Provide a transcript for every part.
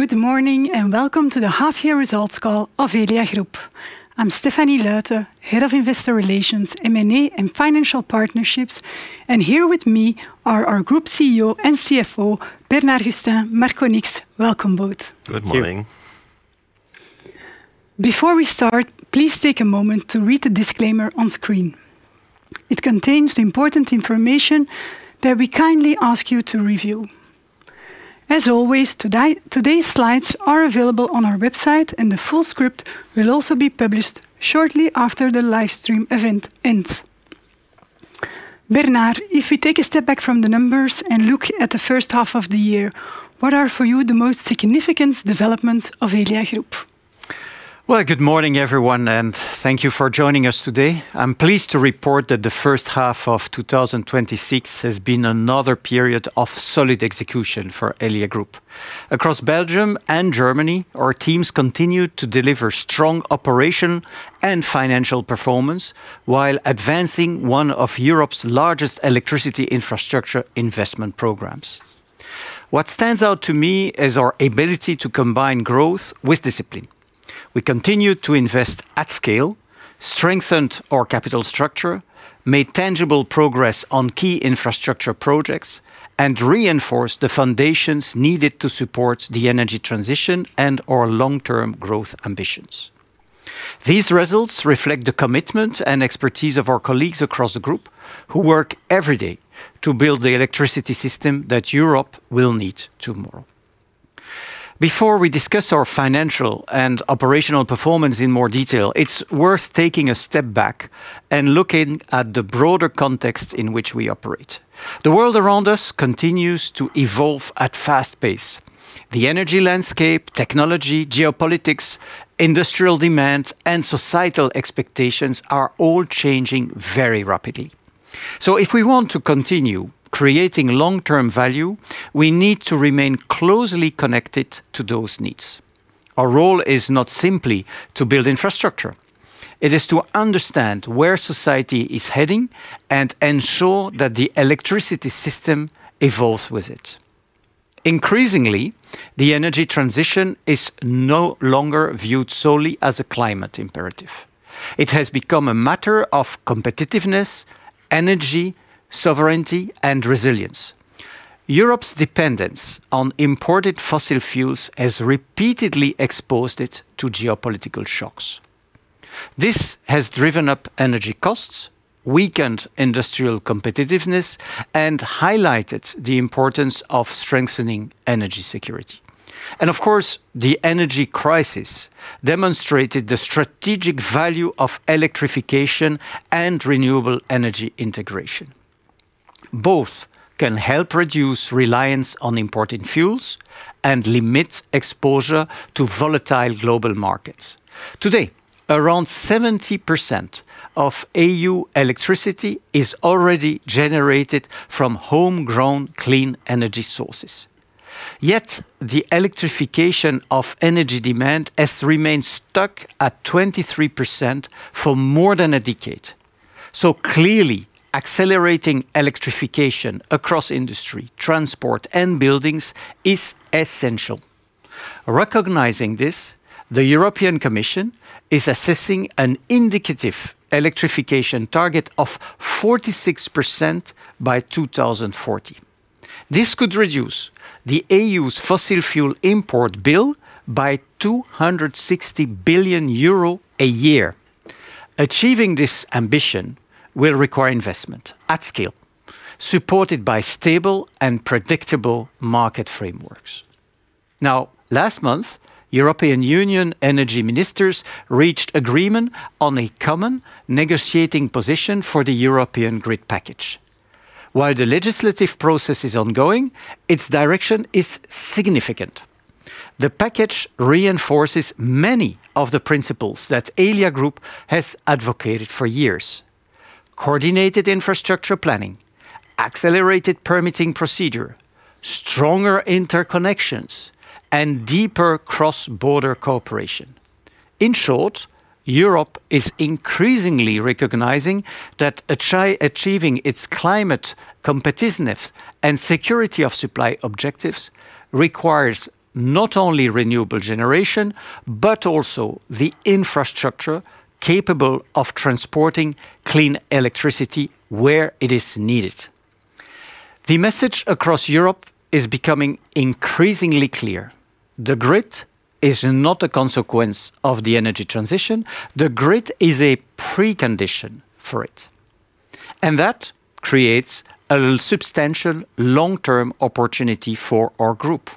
Good morning, and welcome to the half year results call of Elia Group. I'm Stéphanie Luyten, Head of Investor Relations, M&A, and Financial Partnerships, and here with me are our Group CEO and CFO, Bernard Gustin, Marco Nix. Welcome, both. Good morning. Good morning. Before we start, please take a moment to read the disclaimer on screen. It contains the important information that we kindly ask you to review. As always, today's slides are available on our website, and the full script will also be published shortly after the live stream event ends. Bernard, if we take a step back from the numbers and look at the first half of the year, what are for you the most significant developments of Elia Group? Well, good morning, everyone, and thank you for joining us today. I'm pleased to report that the first half of 2026 has been another period of solid execution for Elia Group. Across Belgium and Germany, our teams continue to deliver strong operation and financial performance, while advancing one of Europe's largest electricity infrastructure investment programs. What stands out to me is our ability to combine growth with discipline. We continued to invest at scale, strengthened our capital structure, made tangible progress on key infrastructure projects, and reinforced the foundations needed to support the energy transition and our long-term growth ambitions. These results reflect the commitment and expertise of our colleagues across the group who work every day to build the electricity system that Europe will need tomorrow. Before we discuss our financial and operational performance in more detail, it's worth taking a step back and looking at the broader context in which we operate. The world around us continues to evolve at fast pace. The energy landscape, technology, geopolitics, industrial demand, and societal expectations are all changing very rapidly. If we want to continue creating long-term value, we need to remain closely connected to those needs. Our role is not simply to build infrastructure. It is to understand where society is heading and ensure that the electricity system evolves with it. Increasingly, the energy transition is no longer viewed solely as a climate imperative. It has become a matter of competitiveness, energy, sovereignty, and resilience. Europe's dependence on imported fossil fuels has repeatedly exposed it to geopolitical shocks. This has driven up energy costs, weakened industrial competitiveness, and highlighted the importance of strengthening energy security. Of course, the energy crisis demonstrated the strategic value of electrification and renewable energy integration. Both can help reduce reliance on imported fuels and limit exposure to volatile global markets. Today, around 70% of E.U. electricity is already generated from homegrown, clean energy sources. Yet, the electrification of energy demand has remained stuck at 23% for more than a decade. Clearly, accelerating electrification across industry, transport, and buildings is essential. Recognizing this, the European Commission is assessing an indicative electrification target of 46% by 2040. This could reduce the E.U.'s fossil fuel import bill by 260 billion euro a year. Achieving this ambition will require investment at scale, supported by stable and predictable market frameworks. Last month, European Union energy ministers reached agreement on a common negotiating position for the European Grid Package. While the legislative process is ongoing, its direction is significant. The package reinforces many of the principles that Elia Group has advocated for years: coordinated infrastructure planning, accelerated permitting procedure, stronger interconnections, and deeper cross-border cooperation. In short, Europe is increasingly recognizing that achieving its climate competitiveness and security of supply objectives requires not only renewable generation, but also the infrastructure capable of transporting clean electricity where it is needed. The message across Europe is becoming increasingly clear. The grid is not a consequence of the energy transition. The grid is a precondition for it, and that creates a substantial long-term opportunity for our group.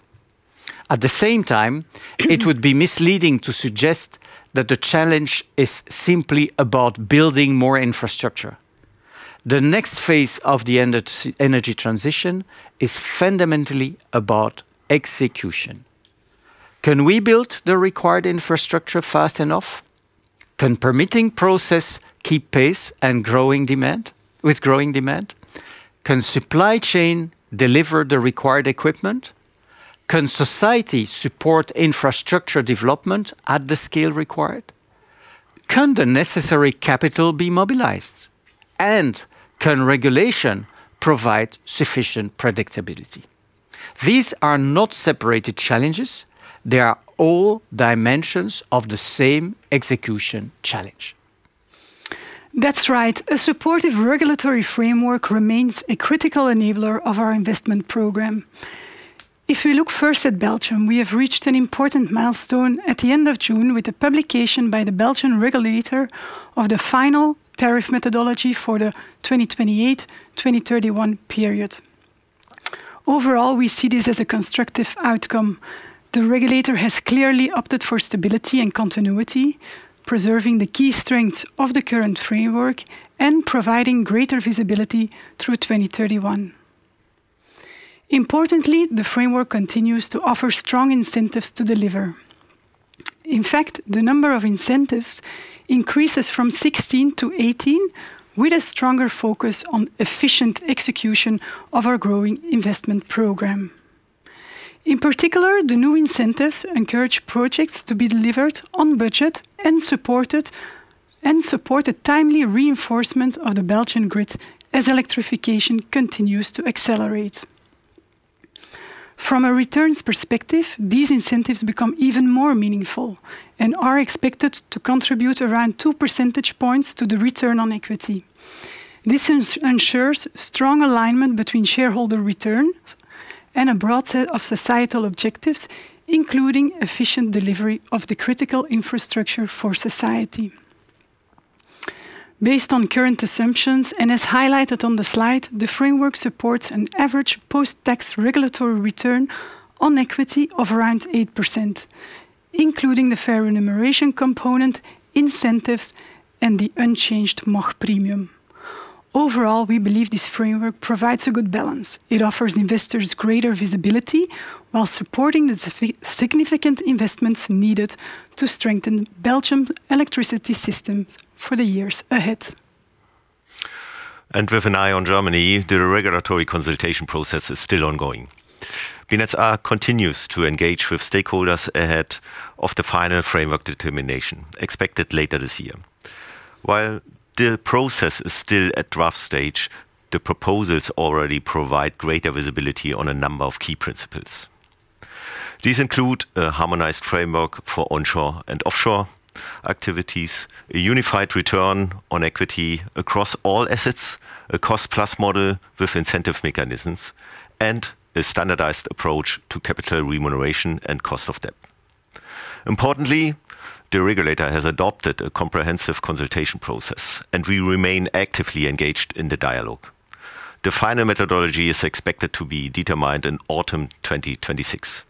At the same time, it would be misleading to suggest that the challenge is simply about building more infrastructure. The next phase of the energy transition is fundamentally about execution. Can we build the required infrastructure fast enough? Can permitting process keep pace with growing demand? Can supply chain deliver the required equipment? Can society support infrastructure development at the scale required? Can the necessary capital be mobilized? Can regulation provide sufficient predictability? These are not separated challenges, they are all dimensions of the same execution challenge. That's right. A supportive regulatory framework remains a critical enabler of our investment program. If we look first at Belgium, we have reached an important milestone at the end of June with the publication by the Belgian regulator of the final tariff methodology for the 2028, 2031 period. Overall, we see this as a constructive outcome. The regulator has clearly opted for stability and continuity, preserving the key strengths of the current framework and providing greater visibility through 2031. Importantly, the framework continues to offer strong incentives to deliver. In fact, the number of incentives increases from 16-18 with a stronger focus on efficient execution of our growing investment program. In particular, the new incentives encourage projects to be delivered on budget and support a timely reinforcement of the Belgian grid as electrification continues to accelerate. From a returns perspective, these incentives become even more meaningful and are expected to contribute around 2 percentage points to the return on equity. This ensures strong alignment between shareholder returns and a broad set of societal objectives, including efficient delivery of the critical infrastructure for society. Based on current assumptions and as highlighted on the slide, the framework supports an average post-tax regulatory return on equity of around 8%, including the fair remuneration component, incentives, and the unchanged MACH-Prämie. Overall, we believe this framework provides a good balance. It offers investors greater visibility while supporting the significant investments needed to strengthen Belgium's electricity systems for the years ahead. With an eye on Germany, the regulatory consultation process is still ongoing. BNetzA continues to engage with stakeholders ahead of the final framework determination expected later this year. While the process is still at draft stage, the proposals already provide greater visibility on a number of key principles. These include a harmonized framework for onshore and offshore activities, a unified return on equity across all assets, a cost-plus model with incentive mechanisms, and a standardized approach to capital remuneration and cost of debt. Importantly, the regulator has adopted a comprehensive consultation process, and we remain actively engaged in the dialogue. The final methodology is expected to be determined in autumn 2026,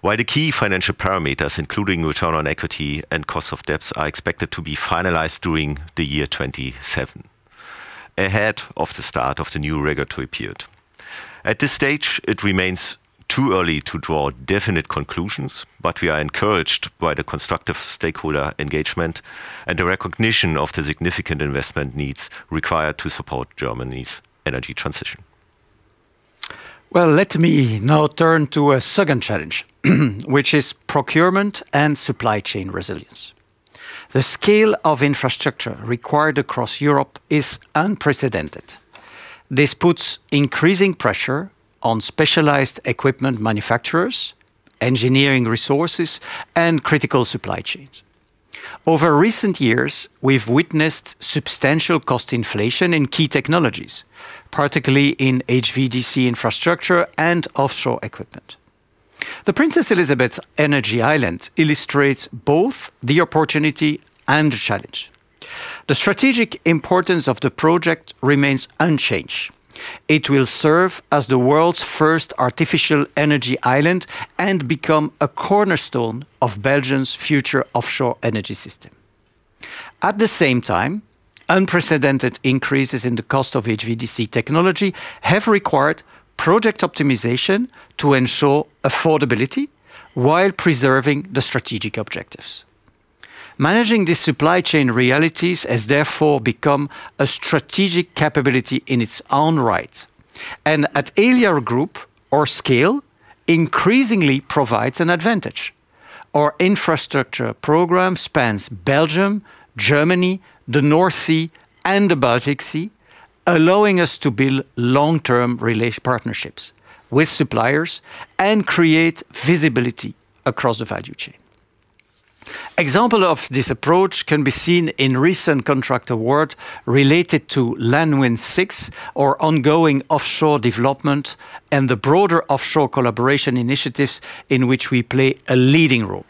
while the key financial parameters, including return on equity and cost of debts, are expected to be finalized during the year 2027, ahead of the start of the new regulatory period. At this stage, it remains too early to draw definite conclusions, but we are encouraged by the constructive stakeholder engagement and the recognition of the significant investment needs required to support Germany's energy transition. Let me now turn to a second challenge, which is procurement and supply chain resilience. The scale of infrastructure required across Europe is unprecedented. This puts increasing pressure on specialized equipment manufacturers, engineering resources, and critical supply chains. Over recent years, we've witnessed substantial cost inflation in key technologies, particularly in HVDC infrastructure and offshore equipment. The Princess Elisabeth Energy Island illustrates both the opportunity and the challenge. The strategic importance of the project remains unchanged. It will serve as the world's first artificial energy island and become a cornerstone of Belgium's future offshore energy system. At the same time, unprecedented increases in the cost of HVDC technology have required project optimization to ensure affordability while preserving the strategic objectives. Managing these supply chain realities has therefore become a strategic capability in its own right. At Elia Group, our scale increasingly provides an advantage. Our infrastructure program spans Belgium, Germany, the North Sea, and the Baltic Sea, allowing us to build long-term partnerships with suppliers and create visibility across the value chain. Example of this approach can be seen in recent contract award related to LanWin 6 or ongoing offshore development and the broader offshore collaboration initiatives in which we play a leading role.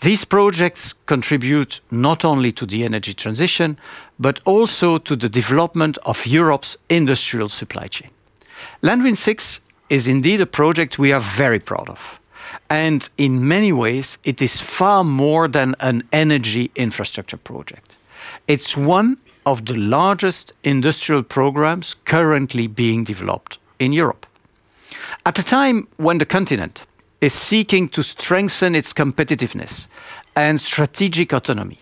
These projects contribute not only to the energy transition, but also to the development of Europe's industrial supply chain. LanWin 6 is indeed a project we are very proud of, in many ways, it is far more than an energy infrastructure project. It's one of the largest industrial programs currently being developed in Europe. At a time when the continent is seeking to strengthen its competitiveness and strategic autonomy,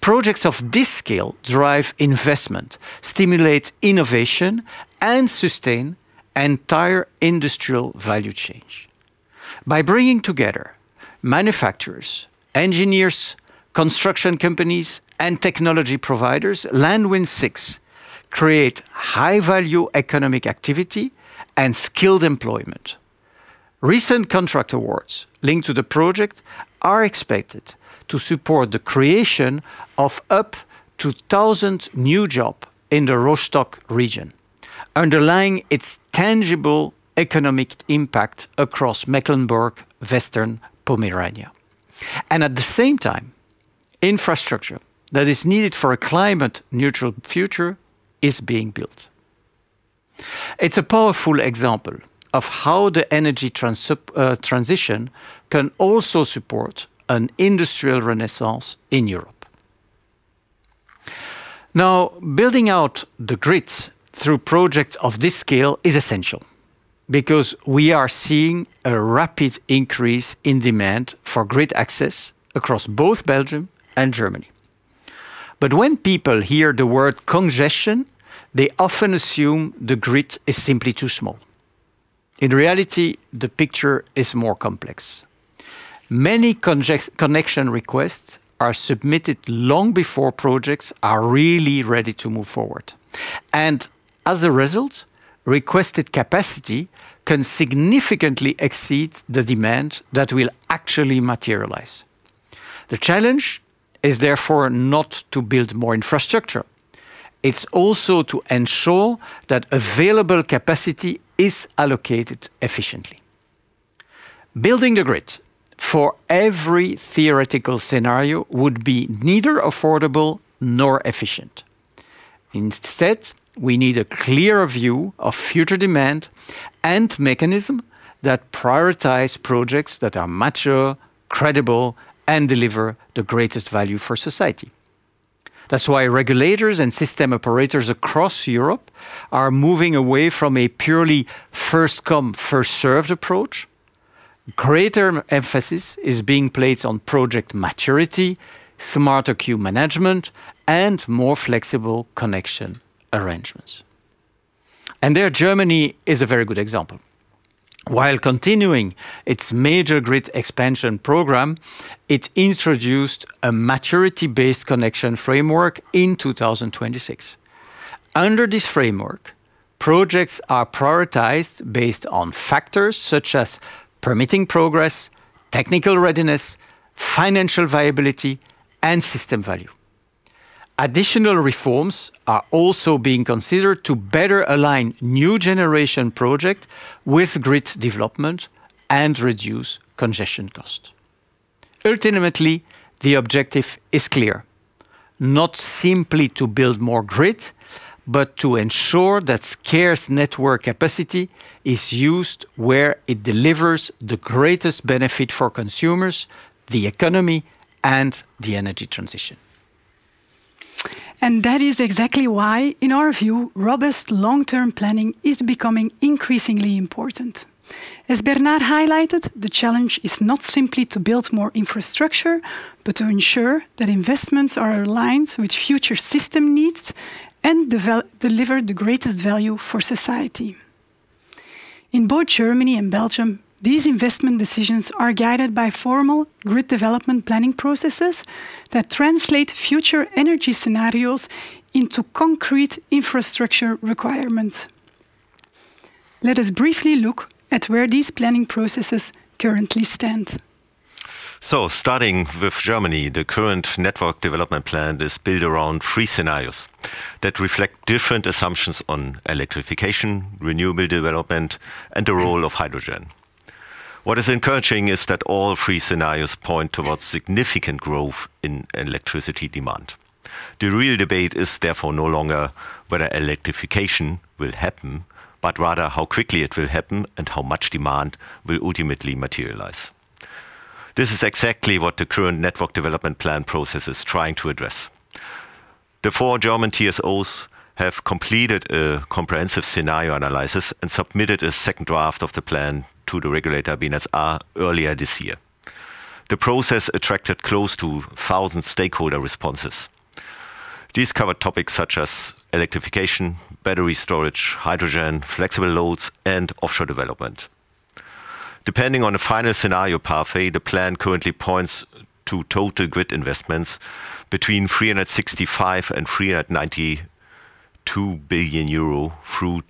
projects of this scale drive investment, stimulate innovation, and sustain entire industrial value chains By bringing together manufacturers, engineers, construction companies, and technology providers, LanWin 6 creates high-value economic activity and skilled employment. Recent contract awards linked to the project are expected to support the creation of up to 1,000 new jobs in the Rostock region, underlying its tangible economic impact across Mecklenburg-Western Pomerania. At the same time, infrastructure that is needed for a climate-neutral future is being built. It's a powerful example of how the energy transition can also support an industrial renaissance in Europe. Building out the grid through projects of this scale is essential, because we are seeing a rapid increase in demand for grid access across both Belgium and Germany. When people hear the word congestion, they often assume the grid is simply too small. In reality, the picture is more complex. Many connection requests are submitted long before projects are really ready to move forward. As a result, requested capacity can significantly exceed the demand that will actually materialize. The challenge is therefore not to build more infrastructure. It's also to ensure that available capacity is allocated efficiently. Building the grid for every theoretical scenario would be neither affordable nor efficient. Instead, we need a clearer view of future demand and mechanisms that prioritize projects that are mature, credible, and deliver the greatest value for society. That's why regulators and system operators across Europe are moving away from a purely first come, first served approach. Greater emphasis is being placed on project maturity, smarter queue management, and more flexible connection arrangements. There, Germany is a very good example. While continuing its major grid expansion program, it introduced a maturity-based connection framework in 2026. Under this framework, projects are prioritized based on factors such as permitting progress, technical readiness, financial viability, and system value. Additional reforms are also being considered to better align new generation projects with grid development and reduce congestion cost. Ultimately, the objective is clear. Not simply to build more grid, but to ensure that scarce network capacity is used where it delivers the greatest benefit for consumers, the economy, and the energy transition. That is exactly why, in our view, robust long-term planning is becoming increasingly important. As Bernard highlighted, the challenge is not simply to build more infrastructure, but to ensure that investments are aligned with future system needs and deliver the greatest value for society. In both Germany and Belgium, these investment decisions are guided by formal grid development planning processes that translate future energy scenarios into concrete infrastructure requirements. Let us briefly look at where these planning processes currently stand. Starting with Germany, the current network development plan is built around three scenarios that reflect different assumptions on electrification, renewable development, and the role of hydrogen. What is encouraging is that all three scenarios point towards significant growth in electricity demand. The real debate is therefore no longer whether electrification will happen, but rather how quickly it will happen and how much demand will ultimately materialize. This is exactly what the current network development plan process is trying to address. The four German TSOs have completed a comprehensive scenario analysis and submitted a second draft of the plan to the regulator, BNetzA, earlier this year. The process attracted close to 1,000 stakeholder responses. These covered topics such as electrification, battery storage, hydrogen, flexible loads, and offshore development. Depending on the final scenario pathway, the plan currently points to total grid investments between 365 billion euro and 392 billion euro through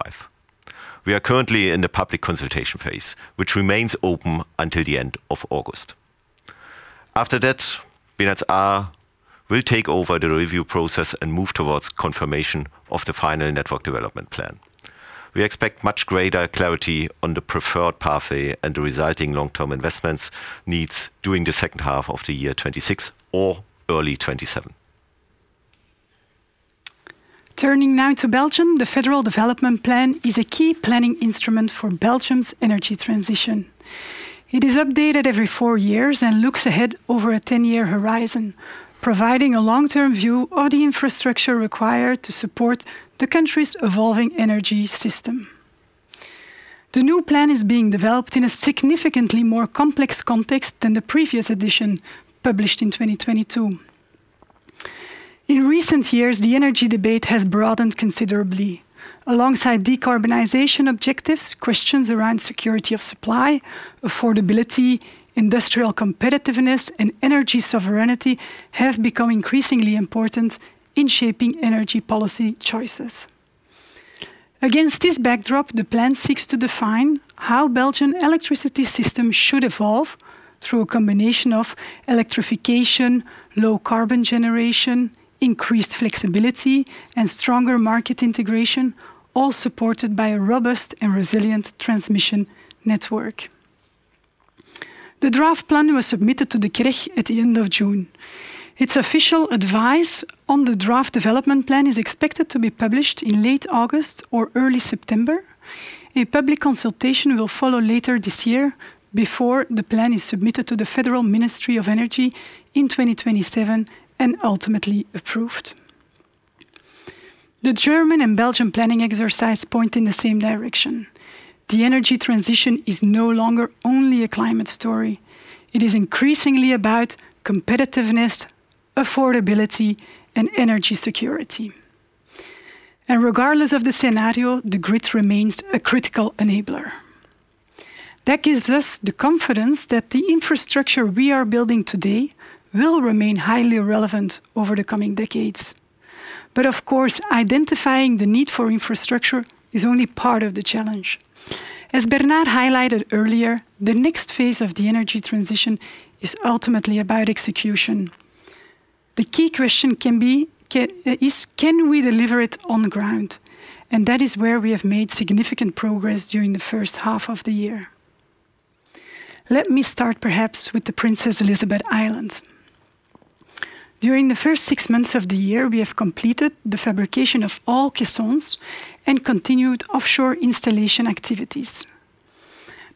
2045. We are currently in the public consultation phase, which remains open until the end of August. After that, BNetzA will take over the review process and move towards confirmation of the final network development plan. We expect much greater clarity on the preferred pathway and the resulting long-term investment needs during the second half of the year 2026 or early 2027. Turning now to Belgium, the Federal Development Plan is a key planning instrument for Belgium's energy transition. It is updated every four years and looks ahead over a 10-year horizon, providing a long-term view of the infrastructure required to support the country's evolving energy system. The new plan is being developed in a significantly more complex context than the previous edition, published in 2022. Alongside decarbonization objectives, questions around security of supply, affordability, industrial competitiveness, and energy sovereignty have become increasingly important in shaping energy policy choices. Against this backdrop, the plan seeks to define how Belgian electricity systems should evolve through a combination of electrification, low carbon generation, increased flexibility, and stronger market integration, all supported by a robust and resilient transmission network. The draft plan was submitted to the CREG at the end of June. Its official advice on the draft development plan is expected to be published in late August or early September. A public consultation will follow later this year before the plan is submitted to the Federal Ministry of Energy in 2027 and ultimately approved. The German and Belgian planning exercise point in the same direction. The energy transition is no longer only a climate story. It is increasingly about competitiveness, affordability, and energy security. That gives us the confidence that the infrastructure we are building today will remain highly relevant over the coming decades. Identifying the need for infrastructure is only part of the challenge. As Bernard highlighted earlier, the next phase of the energy transition is ultimately about execution. The key question is: can we deliver it on the ground? That is where we have made significant progress during the first half of the year. Let me start perhaps with the Princess Elisabeth Island. During the first six months of the year, we have completed the fabrication of all caissons and continued offshore installation activities.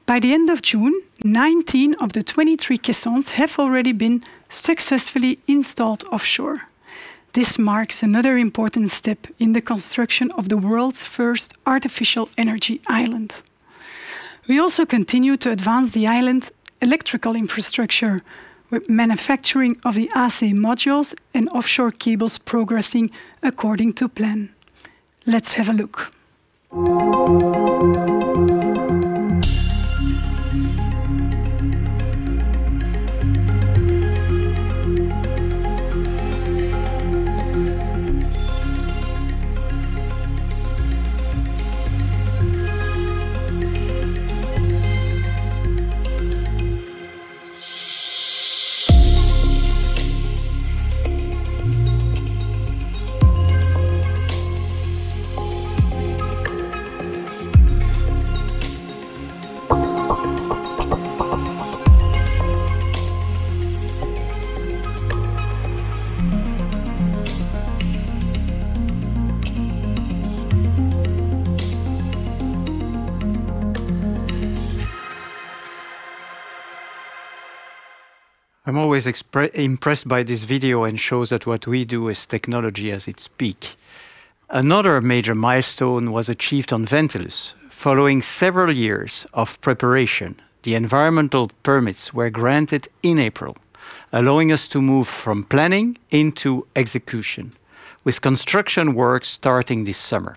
By the end of June, 19 of the 23 caissons have already been successfully installed offshore. This marks another important step in the construction of the world's first artificial energy island. We also continue to advance the island's electrical infrastructure with manufacturing of the AC modules and offshore cables progressing according to plan. Let's have a look. I'm always impressed by this video and shows that what we do is technology at its peak. Another major milestone was achieved on Ventilus. Following several years of preparation, the environmental permits were granted in April, allowing us to move from planning into execution, with construction work starting this summer.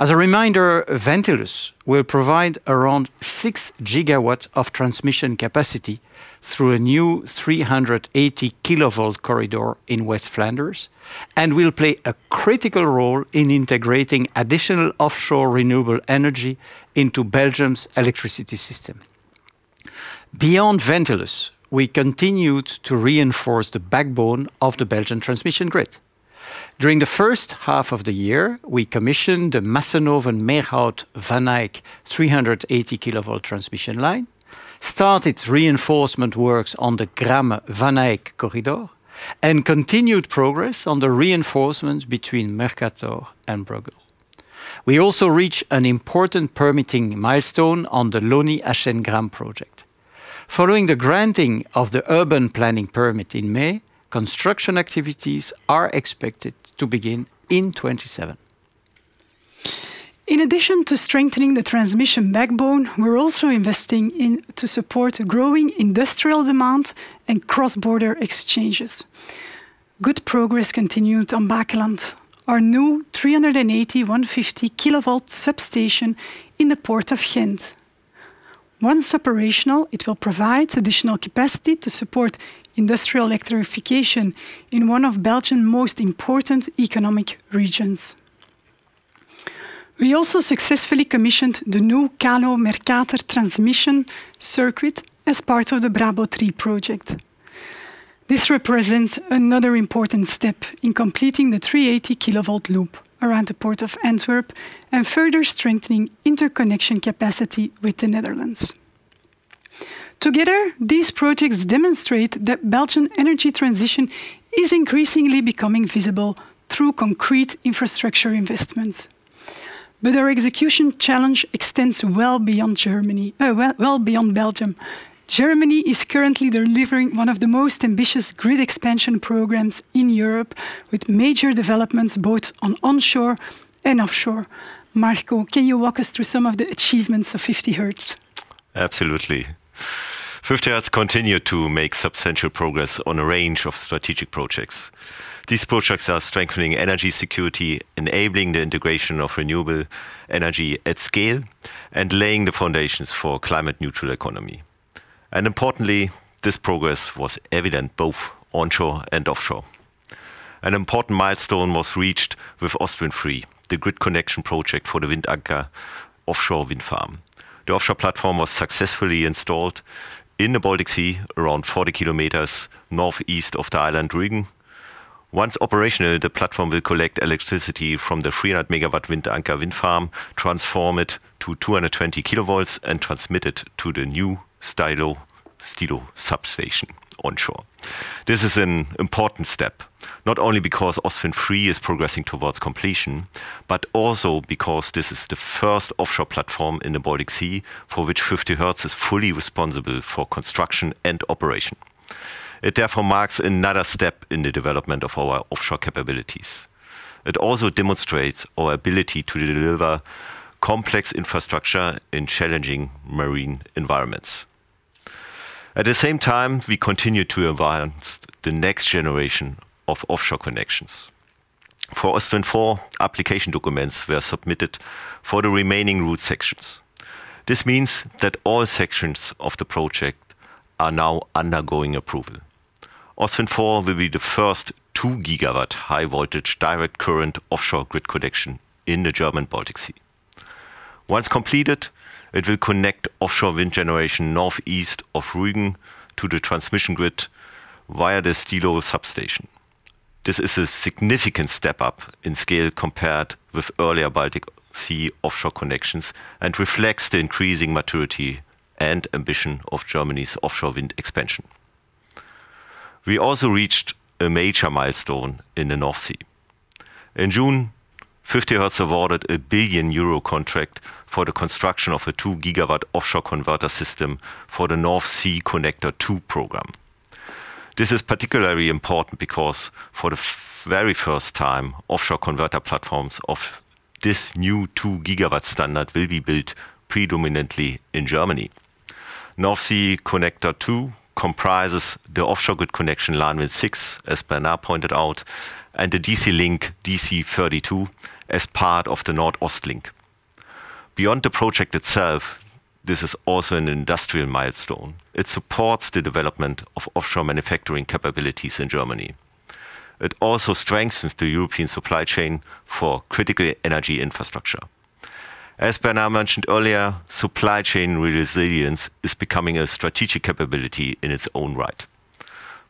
As a reminder, Ventilus will provide around 6 GW of transmission capacity through a new 380 kV corridor in West Flanders and will play a critical role in integrating additional offshore renewable energy into Belgium's electricity system. Beyond Ventilus, we continued to reinforce the backbone of the Belgian transmission grid. During the first half of the year, we commissioned the Massenhoven-Meerhout-Van Eyck 380 kV transmission line, started reinforcement works on the Gramme-Van Eyck corridor, and continued progress on the reinforcements between Mercator and Brugge. We also reached an important permitting milestone on the Lonny-Achêne-Gramme project. Following the granting of the urban planning permit in May, construction activities are expected to begin in 2027. In addition to strengthening the transmission backbone, we're also investing in to support a growing industrial demand and cross-border exchanges. Good progress continued on Baekeland, our new 380/150 kV substation in the Port of Ghent. Once operational, it will provide additional capacity to support industrial electrification in one of Belgium's most important economic regions. We also successfully commissioned the new Kallo-Mercator transmission circuit as part of the Brabo III project. This represents another important step in completing the 380 kV loop around the Port of Antwerp and further strengthening interconnection capacity with the Netherlands. Together, these projects demonstrate that Belgian energy transition is increasingly becoming visible through concrete infrastructure investments. Our execution challenge extends well beyond Belgium. Germany is currently delivering one of the most ambitious grid expansion programs in Europe with major developments both on onshore and offshore. Marco, can you walk us through some of the achievements of 50Hertz? Absolutely. 50Hertz continued to make substantial progress on a range of strategic projects. These projects are strengthening energy security, enabling the integration of renewable energy at scale, and laying the foundations for climate-neutral economy. Importantly, this progress was evident both onshore and offshore. An important milestone was reached with Ostwind 3, the grid connection project for the Windanker offshore wind farm. The offshore platform was successfully installed in the Baltic Sea around 40 km northeast of the island Rügen. Once operational, the platform will collect electricity from the 300 MW Windanker wind farm, transform it to 220 kV, and transmit it to the new Stilow substation onshore. This is an important step. Not only because Ostwind 3 is progressing towards completion, but also because this is the first offshore platform in the Baltic Sea for which 50Hertz is fully responsible for construction and operation. It therefore marks another step in the development of our offshore capabilities. It also demonstrates our ability to deliver complex infrastructure in challenging marine environments. At the same time, we continue to advance the next generation of offshore connections. For Ostwind 4, application documents were submitted for the remaining route sections. This means that all sections of the project are now undergoing approval. Ostwind 4 will be the first 2 GW HVDC offshore grid connection in the German Baltic Sea. Once completed, it will connect offshore wind generation northeast of Rügen to the transmission grid via the Stilow substation. This is a significant step up in scale compared with earlier Baltic Sea offshore connections and reflects the increasing maturity and ambition of Germany's offshore wind expansion. We also reached a major milestone in the North Sea. In June, 50Hertz awarded a 1 billion euro contract for the construction of a 2 GW offshore converter system for the North Sea Connector 2 program. This is particularly important because for the very first time, offshore converter platforms of this new 2 GW standard will be built predominantly in Germany. North Sea Connector 2 comprises the offshore grid connection LanWin 6, as Bernard pointed out, and the DC link DC32 as part of the NordOstLink. Beyond the project itself, this is also an industrial milestone. It supports the development of offshore manufacturing capabilities in Germany. It also strengthens the European supply chain for critical energy infrastructure. As Bernard mentioned earlier, supply chain resilience is becoming a strategic capability in its own right.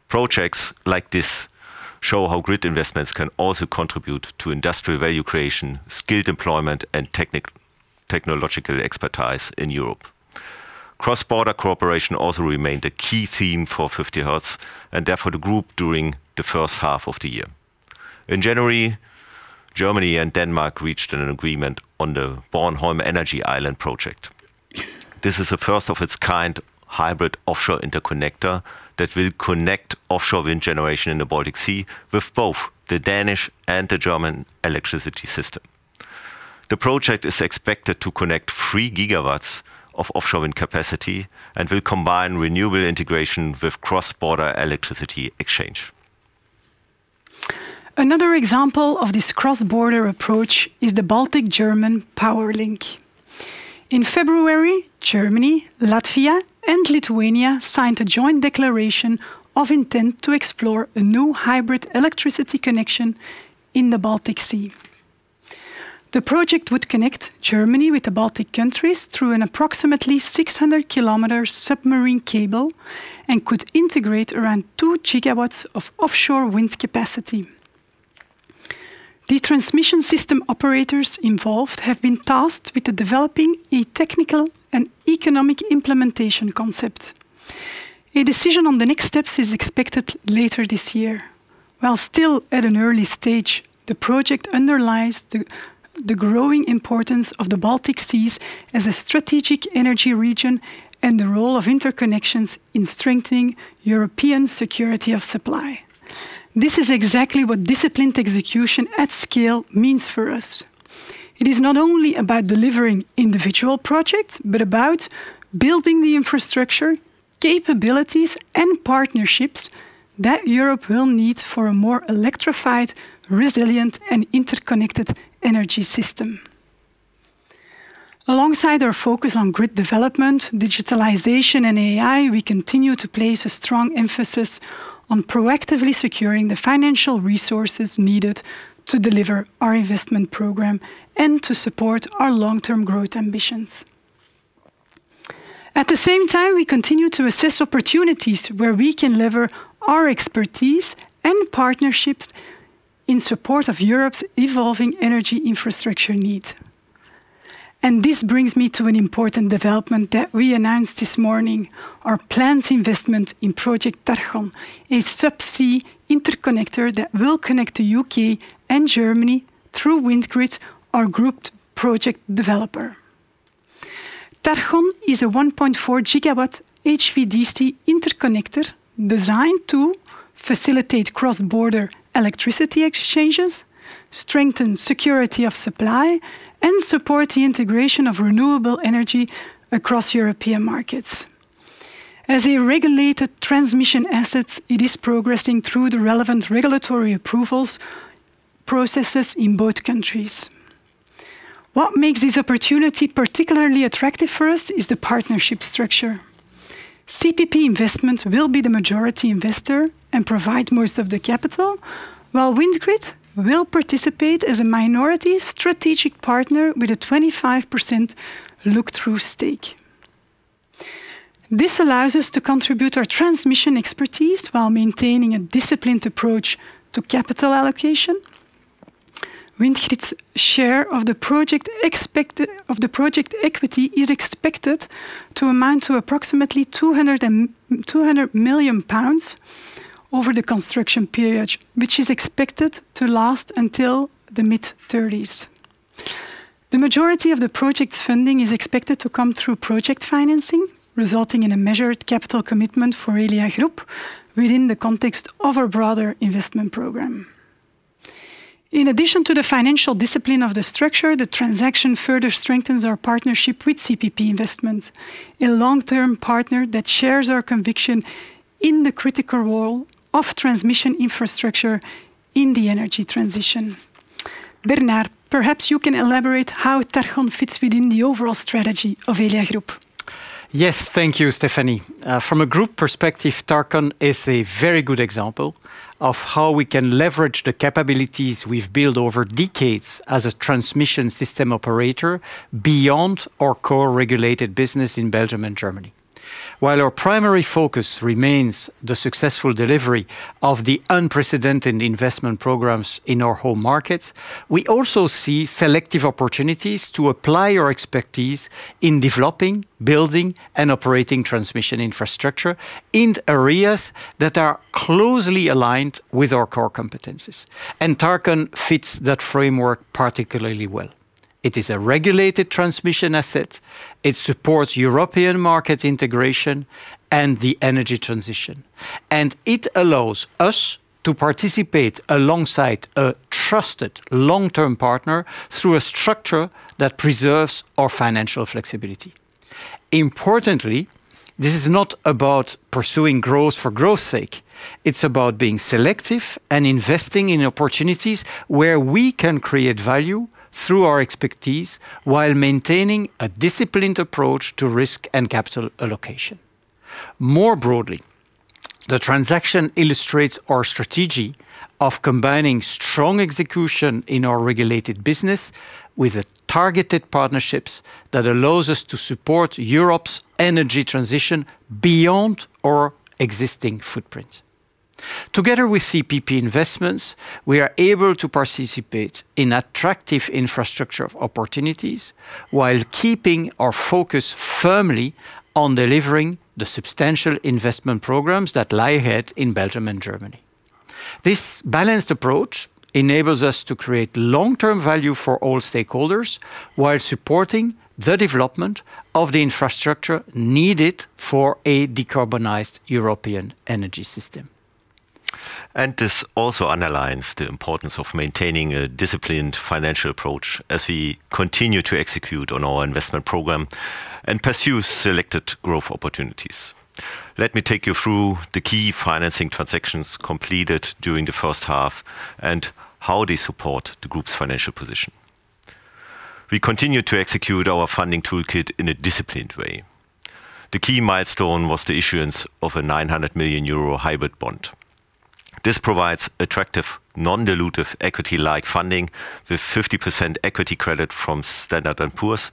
Projects like this show how grid investments can also contribute to industrial value creation, skilled employment, and technological expertise in Europe. Cross-border cooperation also remained a key theme for 50Hertz and therefore the group during the first half of the year. In January, Germany and Denmark reached an agreement on the Bornholm Energy Island project. This is a first of its kind hybrid offshore interconnector that will connect offshore wind generation in the Baltic Sea with both the Danish and the German electricity system. The project is expected to connect 3 GW of offshore wind capacity and will combine renewable integration with cross-border electricity exchange. Another example of this cross-border approach is the Baltic-German PowerLink. In February, Germany, Latvia, and Lithuania signed a joint declaration of intent to explore a new hybrid electricity connection in the Baltic Sea. The project would connect Germany with the Baltic countries through an approximately 600-km submarine cable and could integrate around 2 GW of offshore wind capacity. The transmission system operators involved have been tasked with developing a technical and economic implementation concept. A decision on the next steps is expected later this year. While still at an early stage, the project underlies the growing importance of the Baltic Sea as a strategic energy region and the role of interconnections in strengthening European security of supply. This is exactly what disciplined execution at scale means for us. It is not only about delivering individual projects, but about building the infrastructure, capabilities, and partnerships that Europe will need for a more electrified, resilient, and interconnected energy system. Alongside our focus on grid development, digitalization, and AI, we continue to place a strong emphasis on proactively securing the financial resources needed to deliver our investment program and to support our long-term growth ambitions. At the same time, we continue to assess opportunities where we can lever our expertise and partnerships in support of Europe's evolving energy infrastructure needs. This brings me to an important development that we announced this morning, our planned investment in project Tarchon, a subsea interconnector that will connect the U.K. and Germany through WindGrid, our grouped project developer. Tarchon is a 1.4 GW HVDC interconnector designed to facilitate cross-border electricity exchanges, strengthen security of supply, and support the integration of renewable energy across European markets. As a regulated transmission asset, it is progressing through the relevant regulatory approvals processes in both countries. What makes this opportunity particularly attractive for us is the partnership structure. CPP Investments will be the majority investor and provide most of the capital, while WindGrid will participate as a minority strategic partner with a 25% look-through stake. This allows us to contribute our transmission expertise while maintaining a disciplined approach to capital allocation. WindGrid's share of the project equity is expected to amount to approximately 200 million pounds over the construction period, which is expected to last until the mid-30s. The majority of the project funding is expected to come through project financing, resulting in a measured capital commitment for Elia Group within the context of our broader investment program. In addition to the financial discipline of the structure, the transaction further strengthens our partnership with CPP Investments, a long-term partner that shares our conviction in the critical role of transmission infrastructure in the energy transition. Bernard, perhaps you can elaborate how Tarchon fits within the overall strategy of Elia Group. Yes. Thank you, Stéphanie. From a group perspective, Tarchon is a very good example of how we can leverage the capabilities we've built over decades as a transmission system operator beyond our core regulated business in Belgium and Germany. While our primary focus remains the successful delivery of the unprecedented investment programs in our home markets, we also see selective opportunities to apply our expertise in developing, building, and operating transmission infrastructure in areas that are closely aligned with our core competencies, and Tarchon fits that framework particularly well. It is a regulated transmission asset. It supports European market integration and the energy transition, and it allows us to participate alongside a trusted long-term partner through a structure that preserves our financial flexibility. Importantly, this is not about pursuing growth for growth's sake. It's about being selective and investing in opportunities where we can create value through our expertise while maintaining a disciplined approach to risk and capital allocation. More broadly, the transaction illustrates our strategy of combining strong execution in our regulated business with targeted partnerships that allows us to support Europe's energy transition beyond our existing footprint. Together with CPP Investments, we are able to participate in attractive infrastructure opportunities while keeping our focus firmly on delivering the substantial investment programs that lie ahead in Belgium and Germany. This balanced approach enables us to create long-term value for all stakeholders while supporting the development of the infrastructure needed for a decarbonized European energy system. This also underlines the importance of maintaining a disciplined financial approach as we continue to execute on our investment program and pursue selected growth opportunities. Let me take you through the key financing transactions completed during the first half and how they support the group's financial position. We continue to execute our funding toolkit in a disciplined way. The key milestone was the issuance of a 900 million euro hybrid bond. This provides attractive non-dilutive equity-like funding with 50% equity credit from Standard & Poor's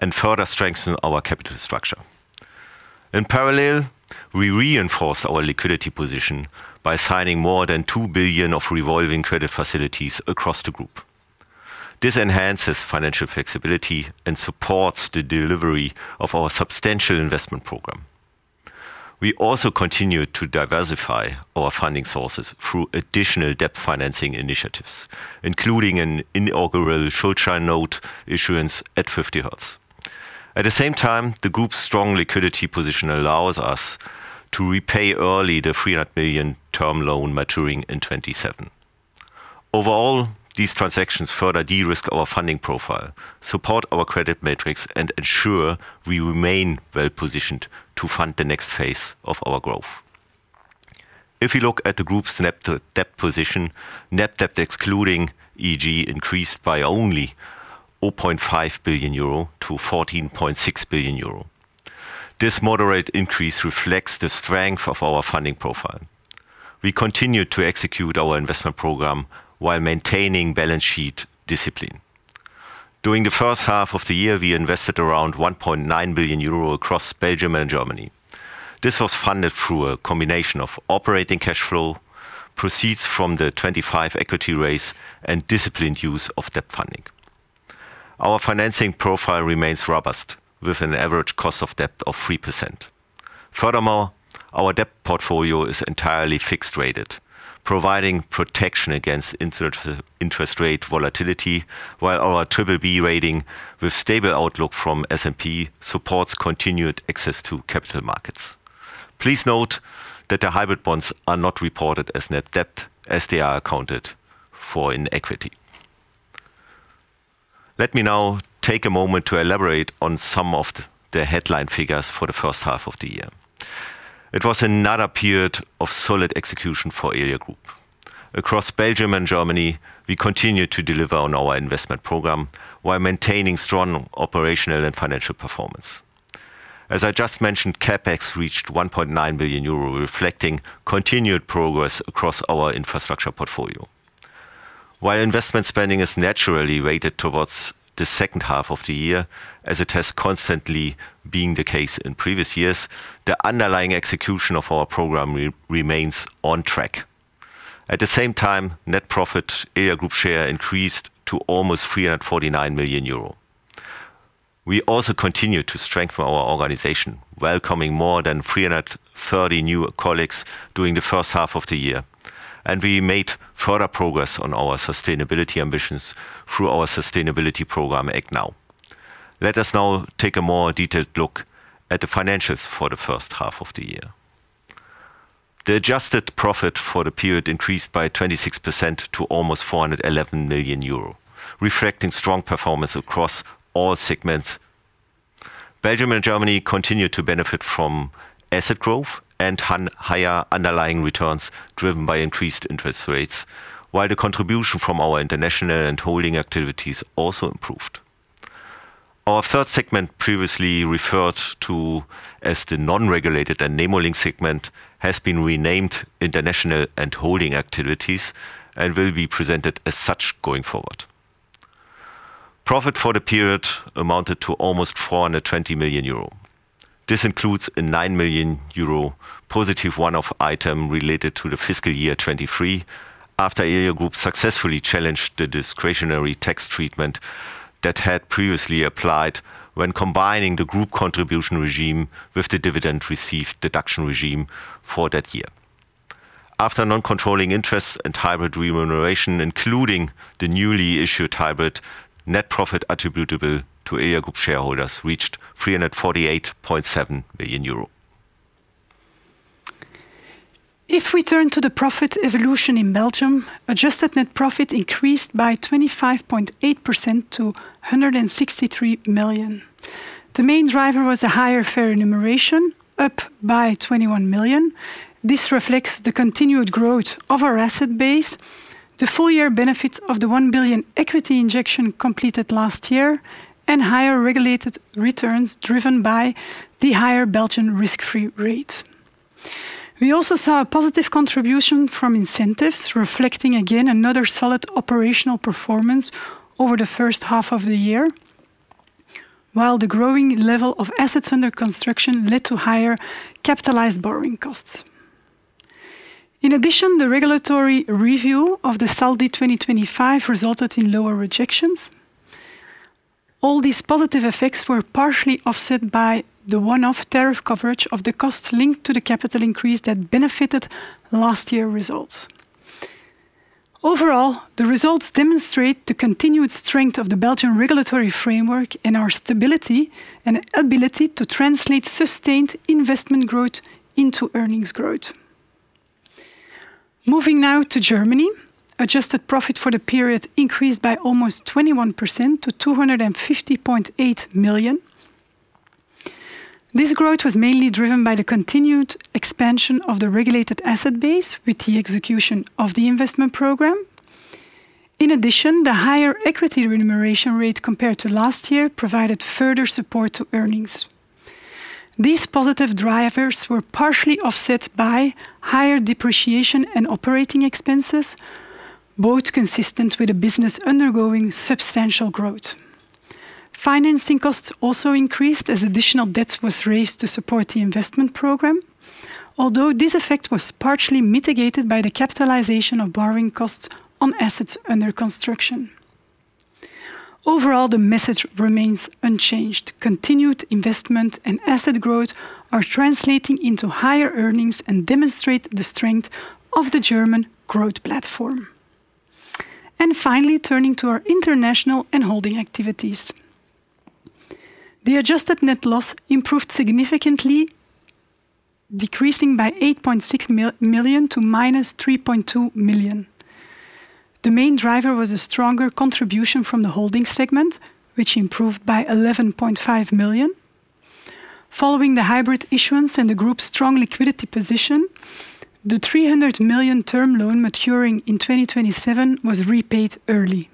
and further strengthen our capital structure. In parallel, we reinforce our liquidity position by signing more than 2 billion of revolving credit facilities across the group. This enhances financial flexibility and supports the delivery of our substantial investment program. We also continue to diversify our funding sources through additional debt financing initiatives, including an inaugural short-term note issuance at 50Hertz. At the same time, the group's strong liquidity position allows us to repay early the 300 million term loan maturing in 2027. Overall, these transactions further de-risk our funding profile, support our credit metrics, and ensure we remain well-positioned to fund the next phase of our growth. If you look at the group's net debt position, net debt excluding EG increased by only 8.5 billion-14.6 billion euro. This moderate increase reflects the strength of our funding profile. We continue to execute our investment program while maintaining balance sheet discipline. During the first half of the year, we invested around 1.9 billion euro across Belgium and Germany. This was funded through a combination of operating cash flow, proceeds from the 2025 equity raise, and disciplined use of debt funding. Our financing profile remains robust with an average cost of debt of 3%. Furthermore, our debt portfolio is entirely fixed-rated, providing protection against interest rate volatility, while our BBB rating with stable outlook from S&P supports continued access to capital markets. Please note that the hybrid bonds are not reported as net debt, as they are accounted for in equity. Let me now take a moment to elaborate on some of the headline figures for the first half of the year. It was another period of solid execution for Elia Group. Across Belgium and Germany, we continued to deliver on our investment program while maintaining strong operational and financial performance. As I just mentioned, CapEx reached 1.9 billion euro, reflecting continued progress across our infrastructure portfolio. While investment spending is naturally weighted towards the second half of the year, as it has constantly been the case in previous years, the underlying execution of our program remains on track. At the same time, net profit, Elia Group share increased to almost 349 million euro. We also continue to strengthen our organization, welcoming more than 330 new colleagues during the first half of the year. We made further progress on our sustainability ambitions through our sustainability program, ActNow. Let us now take a more detailed look at the financials for the first half of the year. The adjusted profit for the period increased by 26% to almost 411 million euro, reflecting strong performance across all segments. Belgium and Germany continued to benefit from asset growth and higher underlying returns, driven by increased interest rates, while the contribution from our International and Holding Activities also improved. Our third segment, previously referred to as the non-regulated and Nemo Link segment, has been renamed International and Holding Activities and will be presented as such going forward. Profit for the period amounted to almost 420 million euro. This includes a 9 million euro positive one-off item related to the fiscal year 2023, after Elia Group successfully challenged the discretionary tax treatment that had previously applied when combining the group contribution regime with the dividend received deduction regime for that year. After non-controlling interests and hybrid remuneration, including the newly issued hybrid, net profit attributable to Elia Group shareholders reached 348.7 million euro. If we turn to the profit evolution in Belgium, adjusted net profit increased by 25.8% to 163 million. The main driver was a higher fair remuneration, up by 21 million. This reflects the continued growth of our asset base, the full-year benefit of the 1 billion equity injection completed last year, and higher regulated returns driven by the higher Belgian risk-free rate. We also saw a positive contribution from incentives, reflecting, again, another solid operational performance over the first half of the year. While the growing level of assets under construction led to higher capitalized borrowing costs. In addition, the regulatory review of the saldi 2025 resulted in lower rejections. All these positive effects were partially offset by the one-off tariff coverage of the costs linked to the capital increase that benefited last year results. Overall, the results demonstrate the continued strength of the Belgian regulatory framework and our stability and ability to translate sustained investment growth into earnings growth. Moving now to Germany. Adjusted profit for the period increased by almost 21% to 250.8 million. This growth was mainly driven by the continued expansion of the regulated asset base with the execution of the investment program. In addition, the higher equity remuneration rate compared to last year provided further support to earnings. These positive drivers were partially offset by higher depreciation and operating expenses, both consistent with a business undergoing substantial growth. Financing costs also increased as additional debt was raised to support the investment program. This effect was partially mitigated by the capitalization of borrowing costs on assets under construction. Overall, the message remains unchanged. Continued investment and asset growth are translating into higher earnings and demonstrate the strength of the German growth platform. Finally, turning to our international and holding activities. The adjusted net loss improved significantly, decreasing by 8.6 million to -3.2 million. The main driver was a stronger contribution from the holding segment, which improved by 11.5 million. Following the hybrid issuance and the group's strong liquidity position, the 300 million term loan maturing in 2027 was repaid early.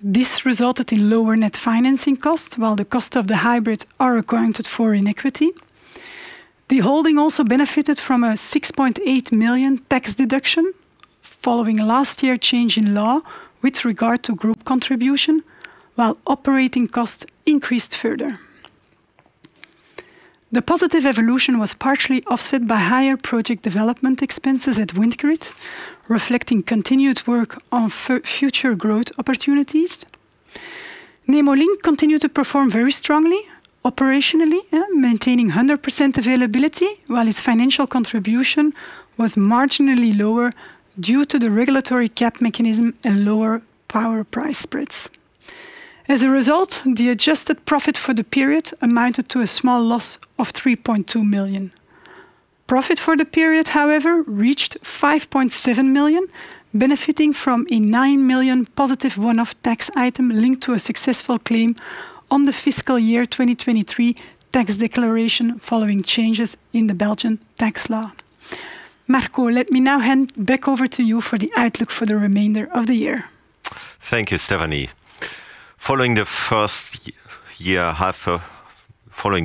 This resulted in lower net financing costs, while the cost of the hybrids are accounted for in equity. The holding also benefited from a 6.8 million tax deduction following last year's change in law with regard to group contribution, while operating costs increased further. The positive evolution was partially offset by higher project development expenses at WindGrid, reflecting continued work on future growth opportunities. Nemo Link continued to perform very strongly operationally, maintaining 100% availability while its financial contribution was marginally lower due to the regulatory cap mechanism and lower power price spreads. As a result, the adjusted profit for the period amounted to a small loss of 3.2 million. Profit for the period, however, reached 5.7 million, benefiting from a 9 million positive one-off tax item linked to a successful claim on the FY 2023 tax declaration following changes in the Belgian tax law. Marco, let me now hand back over to you for the outlook for the remainder of the year. Thank you, Stéphanie. Following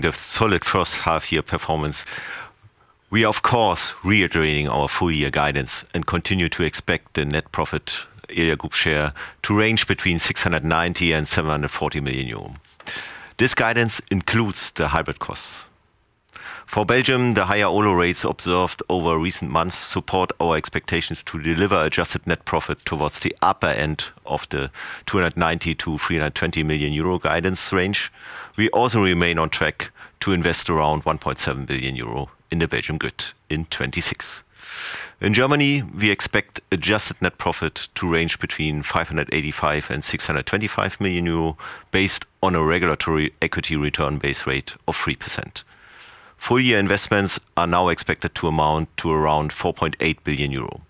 the solid first half-year performance, we are of course reiterating our full-year guidance and continue to expect the net profit Elia Group share to range between 690 million and 740 million euro. This guidance includes the hybrid costs. For Belgium, the higher OLO rates observed over recent months support our expectations to deliver adjusted net profit towards the upper end of the 290 million-320 million euro guidance range. We also remain on track to invest around 1.7 billion euro in the Belgium grid in 2026. In Germany, we expect adjusted net profit to range between 585 million and 625 million euro, based on a regulatory equity return base rate of 3%. Full year investments are now expected to amount to around 4.8 billion euro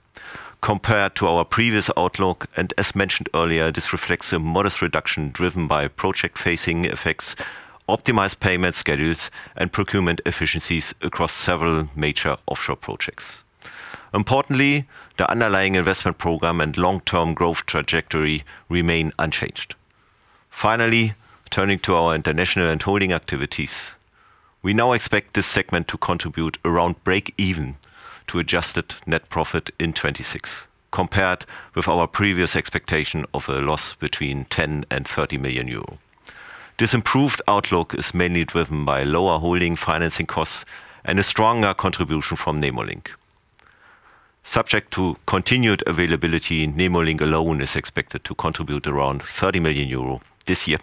compared to our previous outlook. As mentioned earlier, this reflects a modest reduction driven by project phasing effects, optimized payment schedules, and procurement efficiencies across several major offshore projects. Importantly, the underlying investment program and long-term growth trajectory remain unchanged. Finally, turning to our international and holding activities. We now expect this segment to contribute around breakeven to adjusted net profit in 2026, compared with our previous expectation of a loss between 10 million and 30 million euro. This improved outlook is mainly driven by lower holding financing costs and a stronger contribution from Nemo Link. Subject to continued availability, Nemo Link alone is expected to contribute around 30 million euro this year.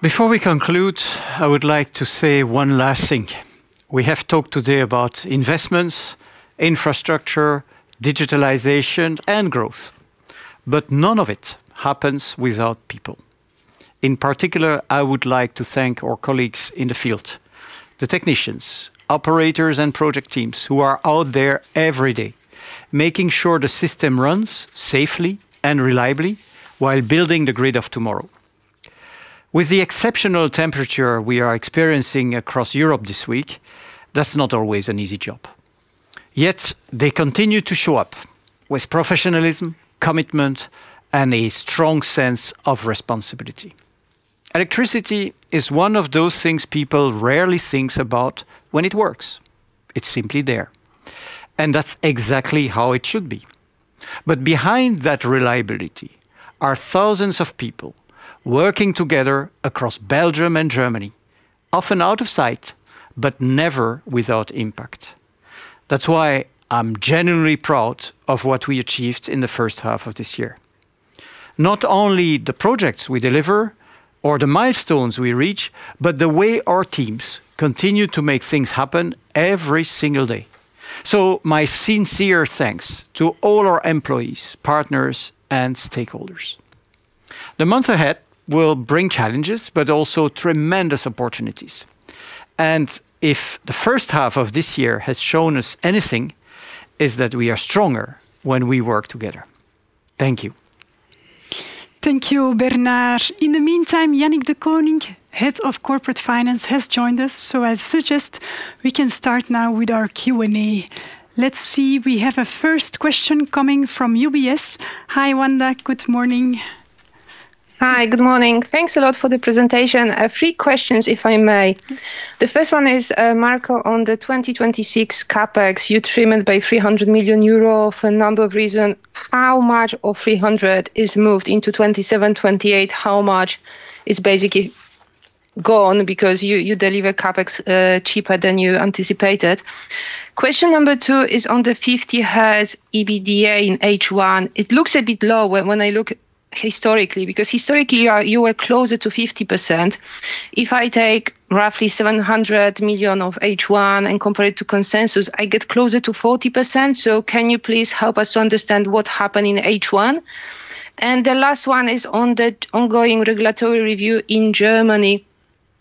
Before we conclude, I would like to say one last thing. We have talked today about investments, infrastructure, digitalization and growth. None of it happens without people. In particular, I would like to thank our colleagues in the field, the technicians, operators and project teams who are out there every day making sure the system runs safely and reliably while building the grid of tomorrow. With the exceptional temperature we are experiencing across Europe this week, that is not always an easy job. They continue to show up with professionalism, commitment, and a strong sense of responsibility. Electricity is one of those things people rarely think about when it works. It is simply there, and that is exactly how it should be. Behind that reliability are thousands of people working together across Belgium and Germany, often out of sight, but never without impact. That is why I am genuinely proud of what we achieved in the first half of this year. Not only the projects we deliver or the milestones we reach, but the way our teams continue to make things happen every single day. My sincere thanks to all our employees, partners and stakeholders. The month ahead will bring challenges, but also tremendous opportunities. If the first half of this year has shown us anything, is that we are stronger when we work together. Thank you. Thank you, Bernard. In the meantime, Yannick Dekoninck, Head of Corporate Finance, has joined us. As suggested, we can start now with our Q&A. Let us see, we have a first question coming from UBS. Hi, Wanda. Good morning. Hi. Good morning. Thanks a lot for the presentation. Three questions if I may. The first one is, Marco, on the 2026 CapEx, you trimmed by 300 million euro for a number of reason. How much of 300 million is moved into 2027, 2028? How much is basically gone because you deliver CapEx cheaper than you anticipated? Question number two is on the 50Hertz EBITDA in H1. It looks a bit low when I look historically because historically you were closer to 50%. If I take roughly 700 million of H1 and compare it to consensus, I get closer to 40%. Can you please help us to understand what happened in H1? The last one is on the ongoing regulatory review in Germany.